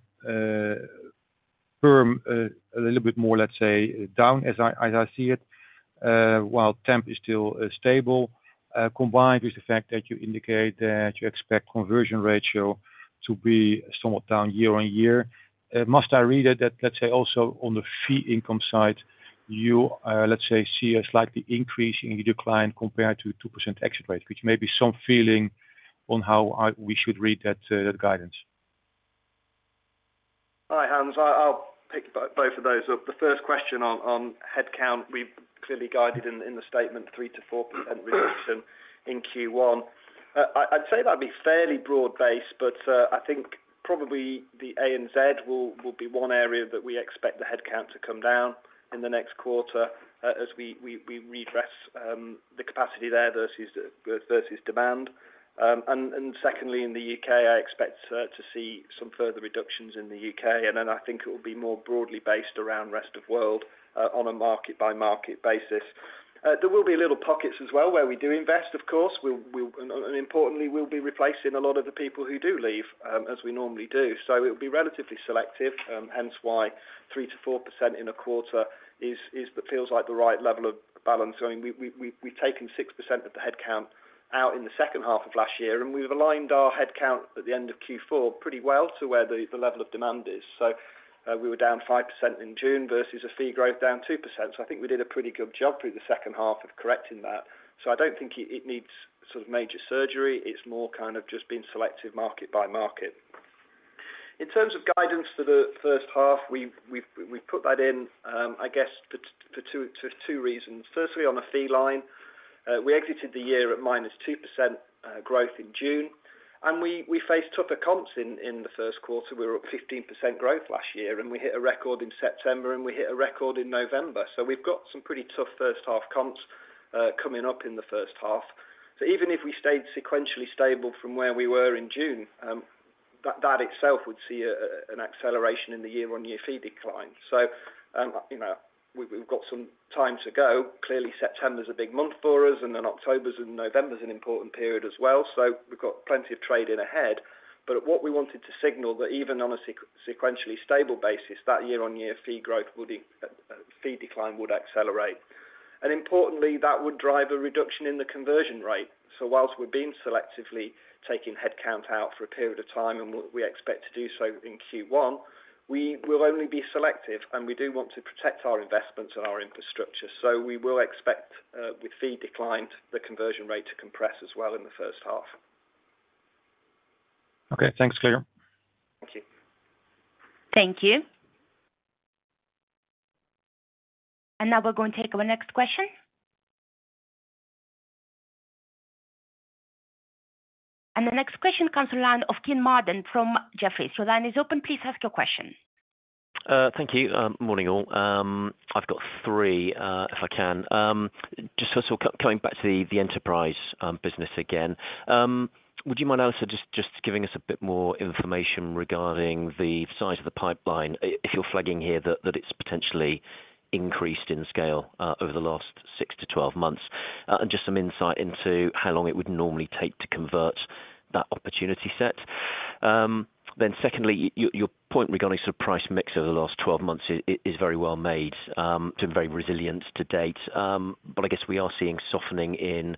perm a little bit more, let's say, down as I see it, while temp is still stable, combined with the fact that you indicate that you expect conversion ratio to be somewhat down year-on-year. Must I read it that let's say also on the fee income side, you, let's say, see a slightly increase in your decline compared to 2% exit rate, which may be some feeling on how we should read that, that guidance? Hi, Hans. I'll pick both of those up. The first question on headcount, we've clearly guided in the statement 3%-4% reduction in Q1. I'd say that'd be fairly broad-based, but I think probably the ANZ will be one area that we expect the headcount to come down in the next quarter, as we readdress the capacity there versus demand. And secondly, in the UK, I expect to see some further reductions in the UK, and then I think it will be more broadly based around rest of world, on a market-by-market basis. There will be little pockets as well, where we do invest, of course, we'll, and importantly, we'll be replacing a lot of the people who do leave, as we normally do. So it will be relatively selective, hence why 3%-4% in a quarter is what feels like the right level of balance. I mean, we've taken 6% of the headcount out in the second half of last year, and we've aligned our headcount at the end of Q4 pretty well to where the level of demand is. So, we were down 5% in June versus a fee growth down 2%. So I think we did a pretty good job through the second half of correcting that. So I don't think it needs sort of major surgery. It's more kind of just being selective market by market. In terms of guidance for the first half, we've put that in, I guess for two reasons. Firstly, on a fee line, we exited the year at -2% growth in June, and we faced tougher comps in the first quarter. We were up 15% growth last year, and we hit a record in September, and we hit a record in November. So we've got some pretty tough first half comps coming up in the first half. So even if we stayed sequentially stable from where we were in June, that itself would see an acceleration in the year-on-year fee decline. So, you know, we've got some time to go. Clearly, September is a big month for us, and then October and November is an important period as well. So we've got plenty of trading ahead, but what we wanted to signal that even on a sequentially stable basis, that year-on-year fee growth would, fee decline would accelerate. And importantly, that would drive a reduction in the conversion rate. So whilst we've been selectively taking headcount out for a period of time, and we expect to do so in Q1, we will only be selective, and we do want to protect our investments and our infrastructure. So we will expect, with fee decline, the conversion rate to compress as well in the first half. Okay, thanks, clear. Thank you. Thank you. And now we're going to take our next question. And the next question comes to line of Kean Marden from Jefferies. Your line is open. Please ask your question. Thank you. Morning, all. I've got 3, if I can. Just first of all, coming back to the enterprise business again. Would you mind also just giving us a bit more information regarding the size of the pipeline, if you're flagging here that it's potentially increased in scale, over the last 6-12 months? And just some insight into how long it would normally take to convert that opportunity set. Then secondly, your point regarding sort of price mix over the last 12 months is very well made, it's been very resilient to date. But I guess we are seeing softening in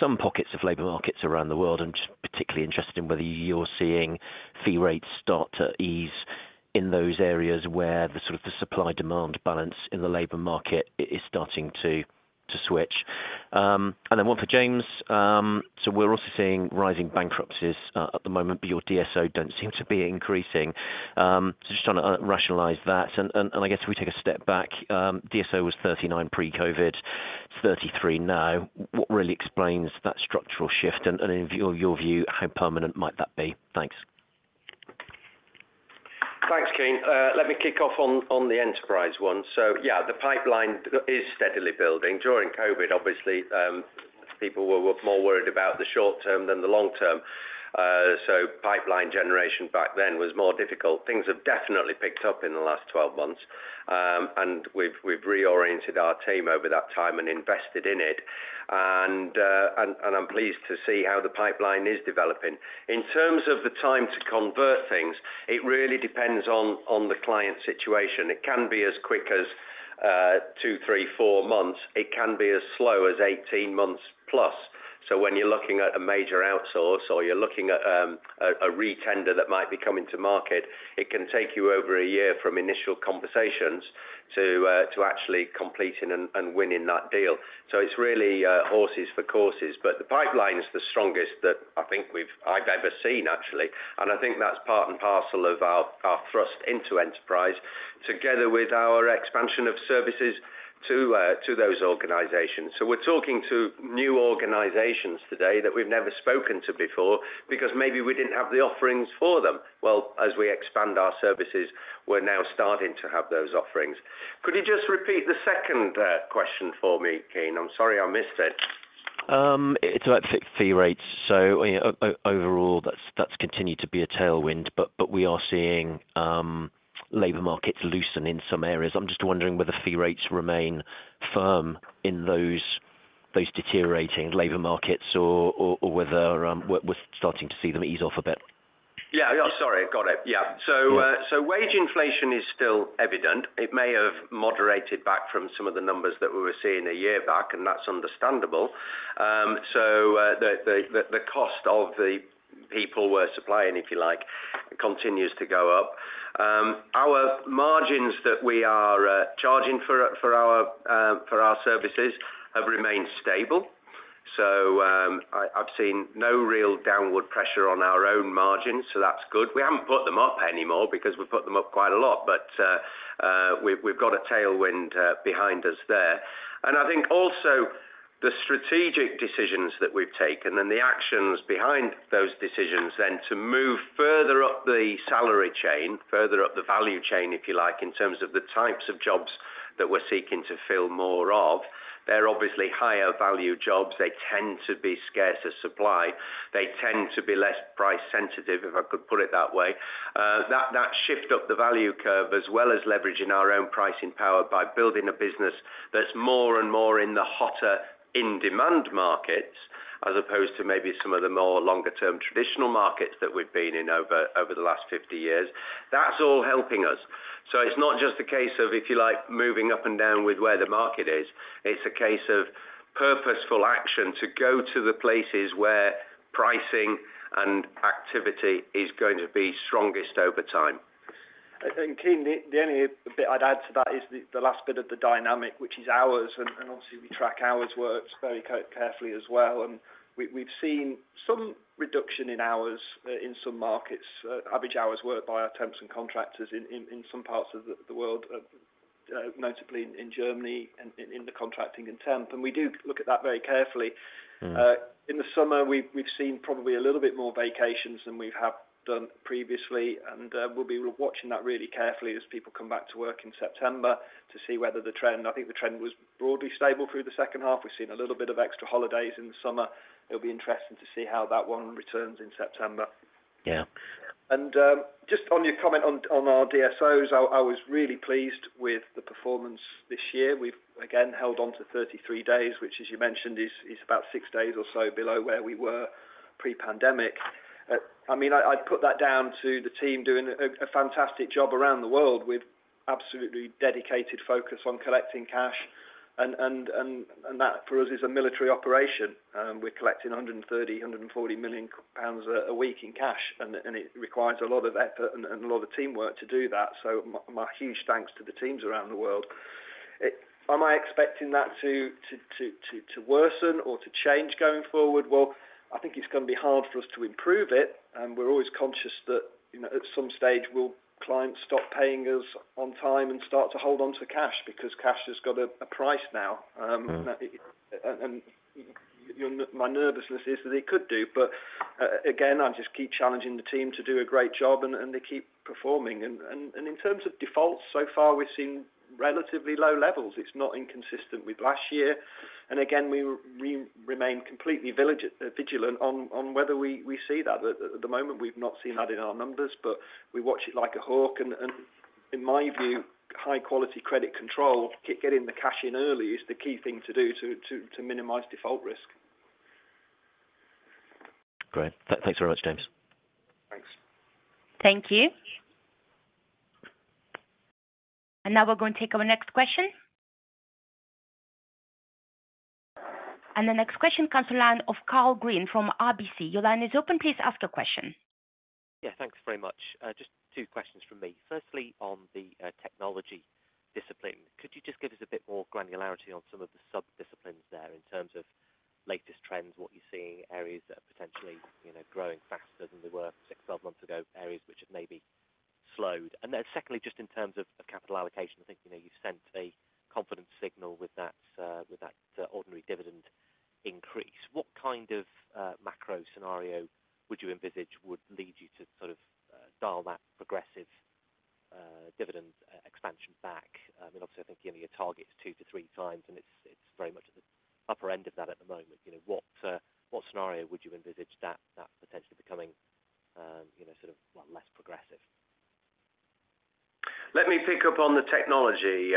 some pockets of labor markets around the world. I'm just particularly interested in whether you're seeing fee rates start to ease in those areas where the sort of the supply-demand balance in the labor market is starting to switch. And then one for James. So we're also seeing rising bankruptcies at the moment, but your DSO don't seem to be increasing. So just trying to rationalize that. I guess if we take a step back, DSO was 39 pre-COVID, 33 now. What really explains that structural shift? And in your view, how permanent might that be? Thanks. Thanks, Kean. Let me kick off on the enterprise one. So yeah, the pipeline is steadily building. During COVID, obviously, people were more worried about the short term than the long term. So pipeline generation back then was more difficult. Things have definitely picked up in the last 12 months, and we've reoriented our team over that time and invested in it, and I'm pleased to see how the pipeline is developing. In terms of the time to convert things, it really depends on the client's situation. It can be as quick as 2, 3, 4 months. It can be as slow as 18 months plus. So when you're looking at a major outsource or you're looking at a retender that might be coming to market, it can take you over a year from initial conversations to actually completing and winning that deal. So it's really horses for courses, but the pipeline is the strongest that I think I've ever seen, actually. And I think that's part and parcel of our thrust into enterprise, together with our expansion of services. ... to, to those organizations. So we're talking to new organizations today that we've never spoken to before, because maybe we didn't have the offerings for them. Well, as we expand our services, we're now starting to have those offerings. Could you just repeat the second question for me, Kean? I'm sorry, I missed it. It's about fee rates. So overall, that's continued to be a tailwind, but we are seeing labor markets loosen in some areas. I'm just wondering whether fee rates remain firm in those deteriorating labor markets or whether we're starting to see them ease off a bit. Yeah, yeah. Sorry. Got it. Yeah. Yeah. So wage inflation is still evident. It may have moderated back from some of the numbers that we were seeing a year back, and that's understandable. So, the cost of the people we're supplying, if you like, continues to go up. Our margins that we are charging for our services have remained stable. So, I've seen no real downward pressure on our own margins, so that's good. We haven't put them up anymore because we've put them up quite a lot, but we've got a tailwind behind us there. And I think also the strategic decisions that we've taken and the actions behind those decisions then to move further up the salary chain, further up the value chain, if you like, in terms of the types of jobs that we're seeking to fill more of, they're obviously higher value jobs. They tend to be scarcer supply. They tend to be less price sensitive, if I could put it that way. That shift up the value curve, as well as leveraging our own pricing power by building a business that's more and more in the hotter, in-demand markets, as opposed to maybe some of the more longer-term traditional markets that we've been in over the last 50 years, that's all helping us. So it's not just a case of, if you like, moving up and down with where the market is. It's a case of purposeful action to go to the places where pricing and activity is going to be strongest over time. I think, Kean, the only bit I'd add to that is the last bit of the dynamic, which is hours, and obviously, we track hours worked very carefully as well. And we, we've seen some reduction in hours in some markets, average hours worked by our temps and contractors in some parts of the world, notably in Germany and in the contracting in temp, and we do look at that very carefully. Mm-hmm. In the summer, we've seen probably a little bit more vacations than we have done previously, and we'll be watching that really carefully as people come back to work in September to see whether the trend... I think the trend was broadly stable through the second half. We've seen a little bit of extra holidays in the summer. It'll be interesting to see how that one returns in September. Yeah. Just on your comment on our DSOs, I was really pleased with the performance this year. We've again held on to 33 days, which, as you mentioned, is about 6 days or so below where we were pre-pandemic. I mean, I'd put that down to the team doing a fantastic job around the world with absolutely dedicated focus on collecting cash, and that, for us, is a military operation. We're collecting 130 million-140 million pounds a week in cash, and it requires a lot of effort and a lot of teamwork to do that. So my huge thanks to the teams around the world. Am I expecting that to worsen or to change going forward? Well, I think it's gonna be hard for us to improve it, and we're always conscious that, you know, at some stage, will clients stop paying us on time and start to hold on to cash, because cash has got a price now. Mm-hmm... and my nervousness is that they could do. But again, I just keep challenging the team to do a great job, and they keep performing. And in terms of defaults, so far, we've seen relatively low levels. It's not inconsistent with last year. And again, we remain completely vigilant on whether we see that. At the moment, we've not seen that in our numbers, but we watch it like a hawk. And in my view, high quality credit control, keep getting the cash in early, is the key thing to do to minimize default risk. Great. Thanks very much, James. Thanks. Thank you. Now we're going to take our next question. The next question comes from the line of Karl Green from RBC. Your line is open, please ask your question. Yeah, thanks very much. Just two questions from me. Firstly, on the technology discipline, could you just give us a bit more granularity on some of the sub-disciplines there in terms of latest trends, what you're seeing, areas that are potentially, you know, growing faster than they were 6, 12 months ago, areas which have maybe slowed? And then secondly, just in terms of capital allocation, I think, you know, you've sent a confidence signal with that ordinary dividend increase. What kind of macro scenario would you envisage would lead you to sort of dial that progressive dividend expansion back? I mean, obviously, I think giving your target 2-3 times, and it's very much at the upper end of that at the moment. You know, what scenario would you envisage that potentially becoming, you know, sort of less progressive? Let me pick up on the technology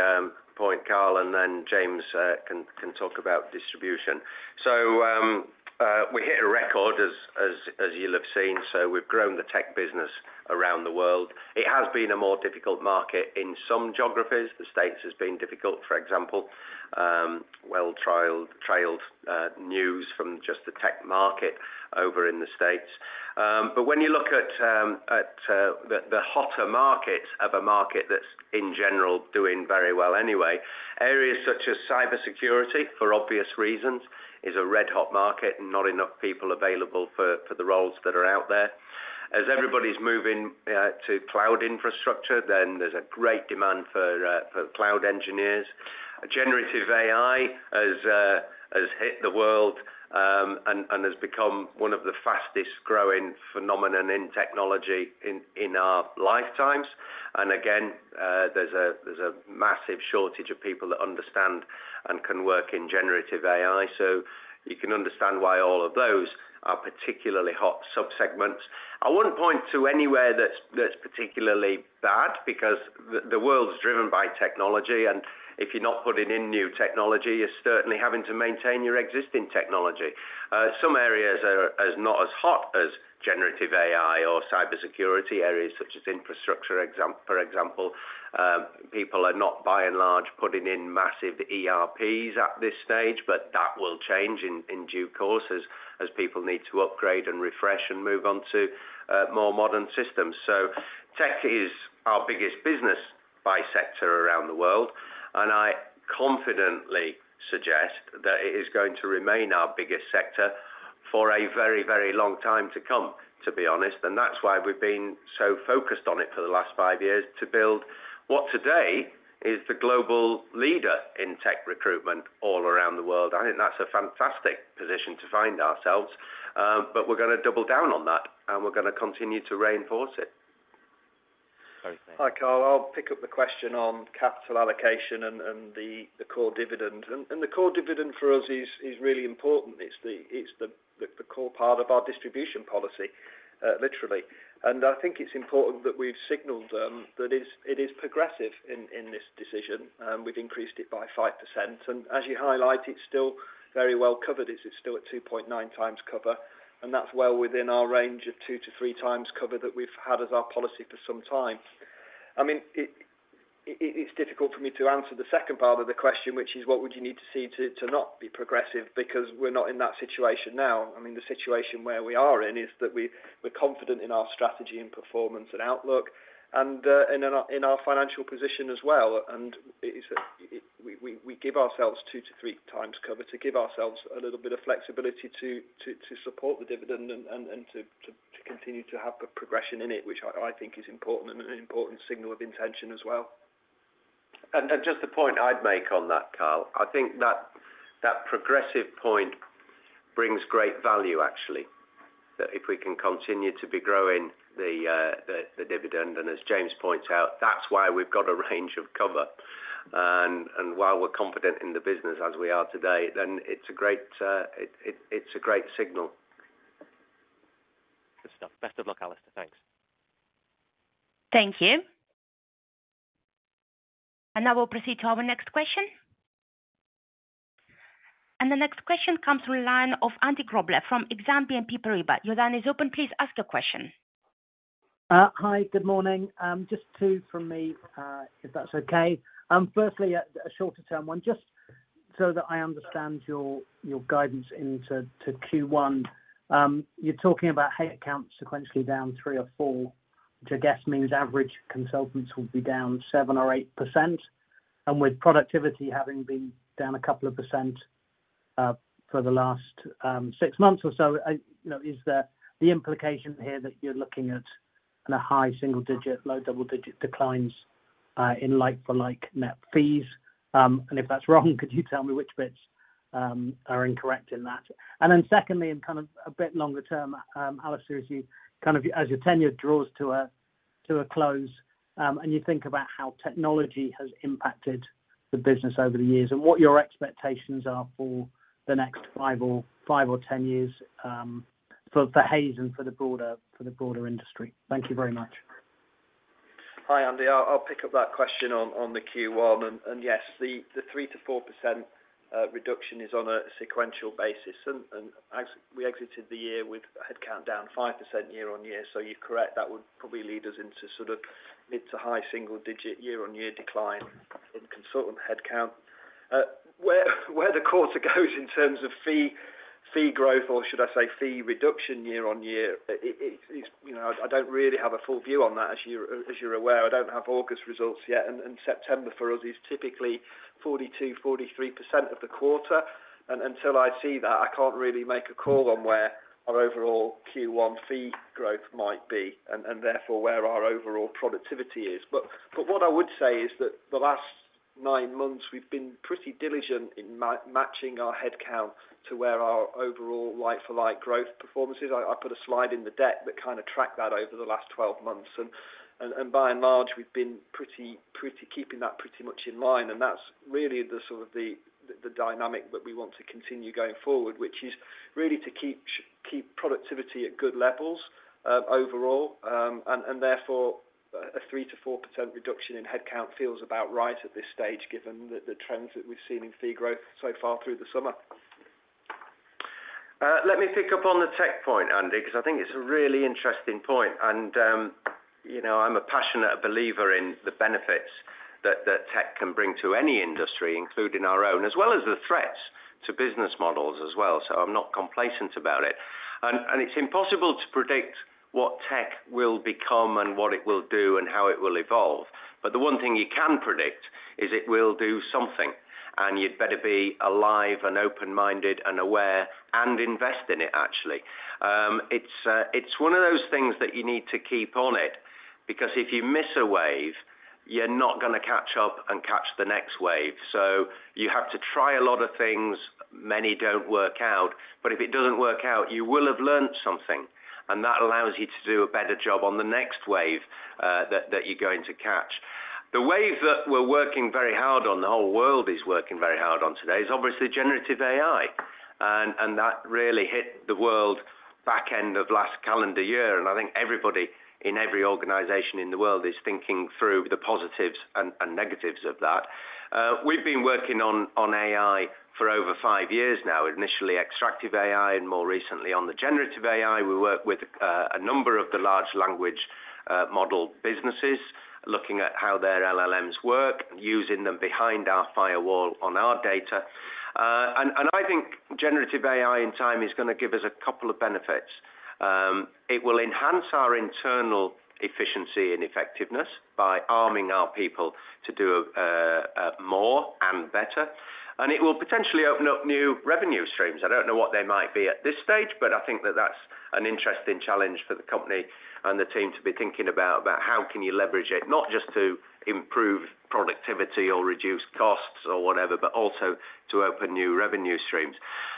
point, Carl, and then James can talk about distribution. So, we hit a record as you'll have seen, so we've grown the tech business around the world. It has been a more difficult market in some geographies. The States has been difficult, for example, well-trailed news from just the tech market over in the States. But when you look at the hotter markets of a market that's in general doing very well anyway, areas such as cybersecurity, for obvious reasons, is a red-hot market and not enough people available for the roles that are out there... as everybody's moving to cloud infrastructure, then there's a great demand for cloud engineers. Generative AI has hit the world, and has become one of the fastest growing phenomenon in technology in our lifetimes. Again, there's a massive shortage of people that understand and can work in generative AI. So you can understand why all of those are particularly hot subsegments. I wouldn't point to anywhere that's particularly bad, because the world is driven by technology, and if you're not putting in new technology, you're certainly having to maintain your existing technology. Some areas are not as hot as generative AI or cybersecurity, areas such as infrastructure, for example, people are not, by and large, putting in massive ERPs at this stage, but that will change in due course as people need to upgrade and refresh and move on to more modern systems. So tech is our biggest business by sector around the world, and I confidently suggest that it is going to remain our biggest sector for a very, very long time to come, to be honest, and that's why we've been so focused on it for the last five years, to build what today is the global leader in tech recruitment all around the world. I think that's a fantastic position to find ourselves, but we're gonna double down on that, and we're gonna continue to reinforce it. Okay. Hi, Carl. I'll pick up the question on capital allocation and the core dividend. The core dividend for us is really important. It's the core part of our distribution policy, literally. I think it's important that we've signaled it is progressive in this decision, and we've increased it by 5%. As you highlight, it's still very well covered. It's still at 2.9 times cover, and that's well within our range of 2-3 times cover that we've had as our policy for some time. I mean, it's difficult for me to answer the second part of the question, which is, what would you need to see to not be progressive? Because we're not in that situation now. I mean, the situation where we are in is that we're confident in our strategy and performance and outlook, and in our financial position as well. It is we give ourselves 2-3 times cover to give ourselves a little bit of flexibility to support the dividend and to continue to have a progression in it, which I think is important and an important signal of intention as well. And just a point I'd make on that, Carl. I think that progressive point brings great value, actually. That if we can continue to be growing the dividend, and as James points out, that's why we've got a range of cover. And while we're confident in the business as we are today, then it's a great signal. Good stuff. Best of luck, Alistair. Thanks. Thank you. And now we'll proceed to our next question. And the next question comes through line of Andy Grobler from Exane BNP Paribas. Your line is open. Please ask your question. Hi, good morning. Just two from me, if that's okay. Firstly, a shorter term one, just so that I understand your guidance into Q1. You're talking about head count sequentially down 3 or 4, which I guess means average consultants will be down 7 or 8%, and with productivity having been down a couple of % for the last 6 months or so, you know, is the implication here that you're looking at a high single digit, low double digit declines in like for like net fees? And if that's wrong, could you tell me which bits are incorrect in that? Then secondly, and kind of a bit longer term, Alistair, as your tenure draws to a close, and you think about how technology has impacted the business over the years, and what your expectations are for the next 5 or 10 years, for Hays and for the broader industry? Thank you very much. Hi, Andy. I'll pick up that question on the Q1. Yes, the 3%-4% reduction is on a sequential basis. As we exited the year with headcount down 5% year-on-year, so you're correct, that would probably lead us into sort of mid to high single digit year-on-year decline in consultant headcount. Where the quarter goes in terms of fee growth, or should I say, fee reduction year-on-year, it's, you know, I don't really have a full view on that. As you're aware, I don't have August results yet, and September for us is typically 42%-43% of the quarter. Until I see that, I can't really make a call on where our overall Q1 fee growth might be, and therefore where our overall productivity is. What I would say is that the last nine months, we've been pretty diligent in matching our headcount to where our overall like for like growth performance is. I put a slide in the deck that kind of tracked that over the last 12 months, and by and large, we've been pretty keeping that pretty much in line, and that's really the sort of the dynamic that we want to continue going forward, which is really to keep productivity at good levels, overall. And therefore, a 3%-4% reduction in headcount feels about right at this stage, given the trends that we've seen in fee growth so far through the summer. Let me pick up on the tech point, Andy, because I think it's a really interesting point, and you know, I'm a passionate believer in the benefits that tech can bring to any industry, including our own, as well as the threats to business models as well. So I'm not complacent about it. And it's impossible to predict what tech will become and what it will do and how it will evolve. But the one thing you can predict is it will do something, and you'd better be alive and open-minded and aware and invest in it, actually. It's one of those things that you need to keep on it, because if you miss a wave, you're not gonna catch up and catch the next wave. So you have to try a lot of things. Many don't work out, but if it doesn't work out, you will have learned something, and that allows you to do a better job on the next wave that you're going to catch. The wave that we're working very hard on, the whole world is working very hard on today, is obviously generative AI, and that really hit the world back end of last calendar year. I think everybody in every organization in the world is thinking through the positives and negatives of that. We've been working on AI for over five years now. Initially, extractive AI, and more recently on the generative AI. We work with a number of the large language model businesses, looking at how their LLMs work, using them behind our firewall on our data. I think generative AI, in time, is gonna give us a couple of benefits. It will enhance our internal efficiency and effectiveness by arming our people to do more and better, and it will potentially open up new revenue streams. I don't know what they might be at this stage, but I think that's an interesting challenge for the company and the team to be thinking about how can you leverage it, not just to improve productivity or reduce costs or whatever, but also to open new revenue streams.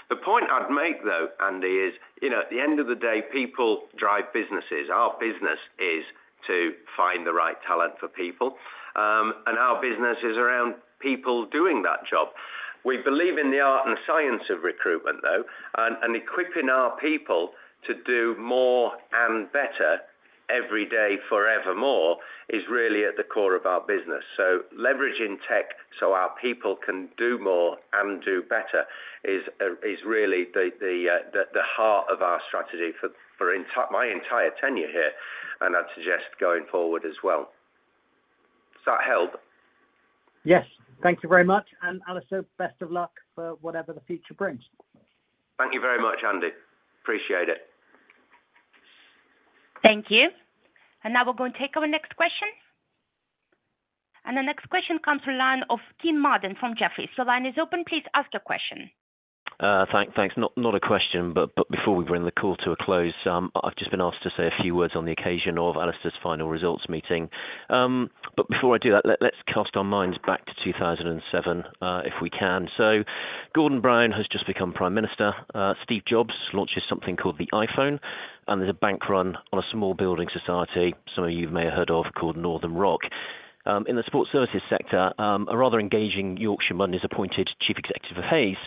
The point I'd make, though, Andy, is, you know, at the end of the day, people drive businesses. Our business is to find the right talent for people, and our business is around people doing that job. We believe in the art and science of recruitment, though, and equipping our people to do more and better every day forevermore is really at the core of our business. So leveraging tech so our people can do more and do better is really the heart of our strategy for my entire tenure here, and I'd suggest going forward as well. Does that help? Yes, thank you very much. Alistair, best of luck for whatever the future brings. Thank you very much, Andy. Appreciate it. Thank you. Now we're going to take our next question. The next question comes from the line of Kean Marden, from Jefferies. The line is open. Please ask your question. Thanks. Not a question, but before we bring the call to a close, I've just been asked to say a few words on the occasion of Alistair's final results meeting. But before I do that, let's cast our minds back to 2007, if we can. So Gordon Brown has just become Prime Minister, Steve Jobs launches something called the iPhone, and there's a bank run on a small building society, some of you may have heard of, called Northern Rock. In the sports services sector, a rather engaging Yorkshireman is appointed Chief Executive of Hays.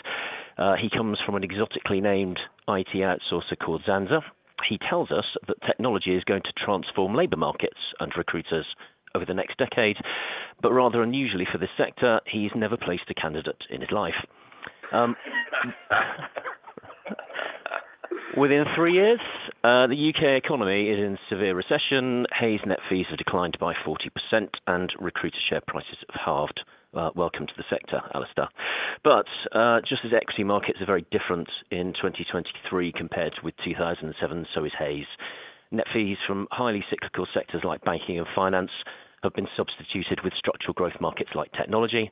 He comes from an exotically named IT outsourcer called Xansa. He tells us that technology is going to transform labor markets and recruiters over the next decade, but rather unusually for this sector, he's never placed a candidate in his life. Within 3 years, the U.K. economy is in severe recession, Hays net fees have declined by 40%, and recruiter share prices have halved. Welcome to the sector, Alistair. But just as equity markets are very different in 2023 compared with 2007, so is Hays. Net fees from highly cyclical sectors like banking and finance have been substituted with structural growth markets like technology.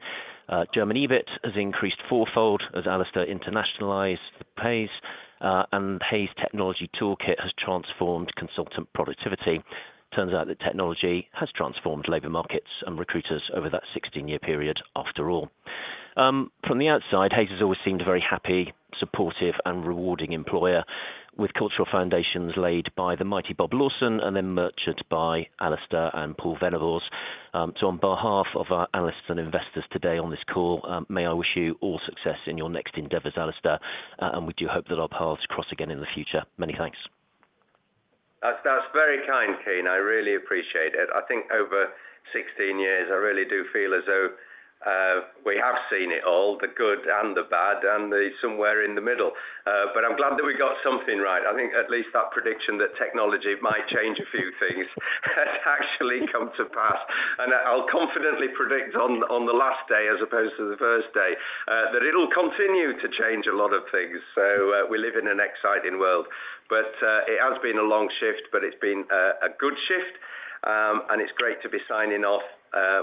German EBIT has increased fourfold as Alistair internationalized the pace, and Hays technology toolkit has transformed consultant productivity. Turns out that technology has transformed labor markets and recruiters over that 16-year period, after all. From the outside, Hays has always seemed a very happy, supportive, and rewarding employer, with cultural foundations laid by the mighty Bob Lawson and then marched by Alistair and Paul Venables. So on behalf of our analysts and investors today on this call, may I wish you all success in your next endeavors, Alistair, and we do hope that our paths cross again in the future. Many thanks. That's very kind, Kean. I really appreciate it. I think over 16 years, I really do feel as though we have seen it all, the good and the bad, and the somewhere in the middle. But I'm glad that we got something right. I think at least that prediction that technology might change a few things has actually come to pass. And I'll confidently predict on the last day, as opposed to the first day, that it'll continue to change a lot of things. So we live in an exciting world, but it has been a long shift, but it's been a good shift. And it's great to be signing off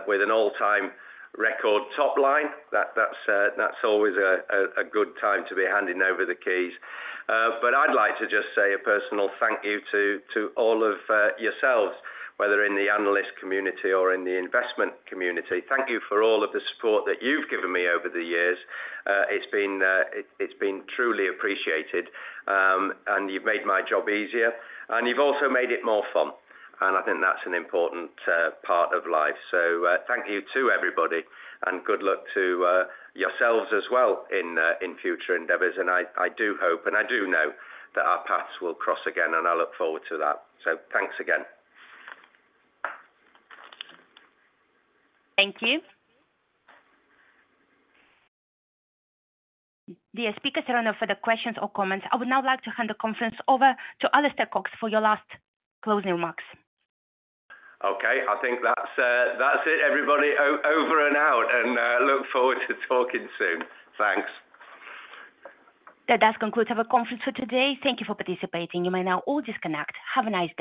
with an all-time record top line. That's always a good time to be handing over the keys. But I'd like to just say a personal thank you to all of yourselves, whether in the analyst community or in the investment community. Thank you for all of the support that you've given me over the years. It's been truly appreciated, and you've made my job easier, and you've also made it more fun, and I think that's an important part of life. So, thank you to everybody, and good luck to yourselves as well in future endeavors. And I do hope, and I do know, that our paths will cross again, and I look forward to that. So thanks again. Thank you. The speakers are now for the questions or comments. I would now like to hand the conference over to Alistair Cox for your last closing remarks. Okay. I think that's, that's it, everybody. Over and out! Look forward to talking soon. Thanks. That does conclude our conference for today. Thank you for participating. You may now all disconnect. Have a nice day.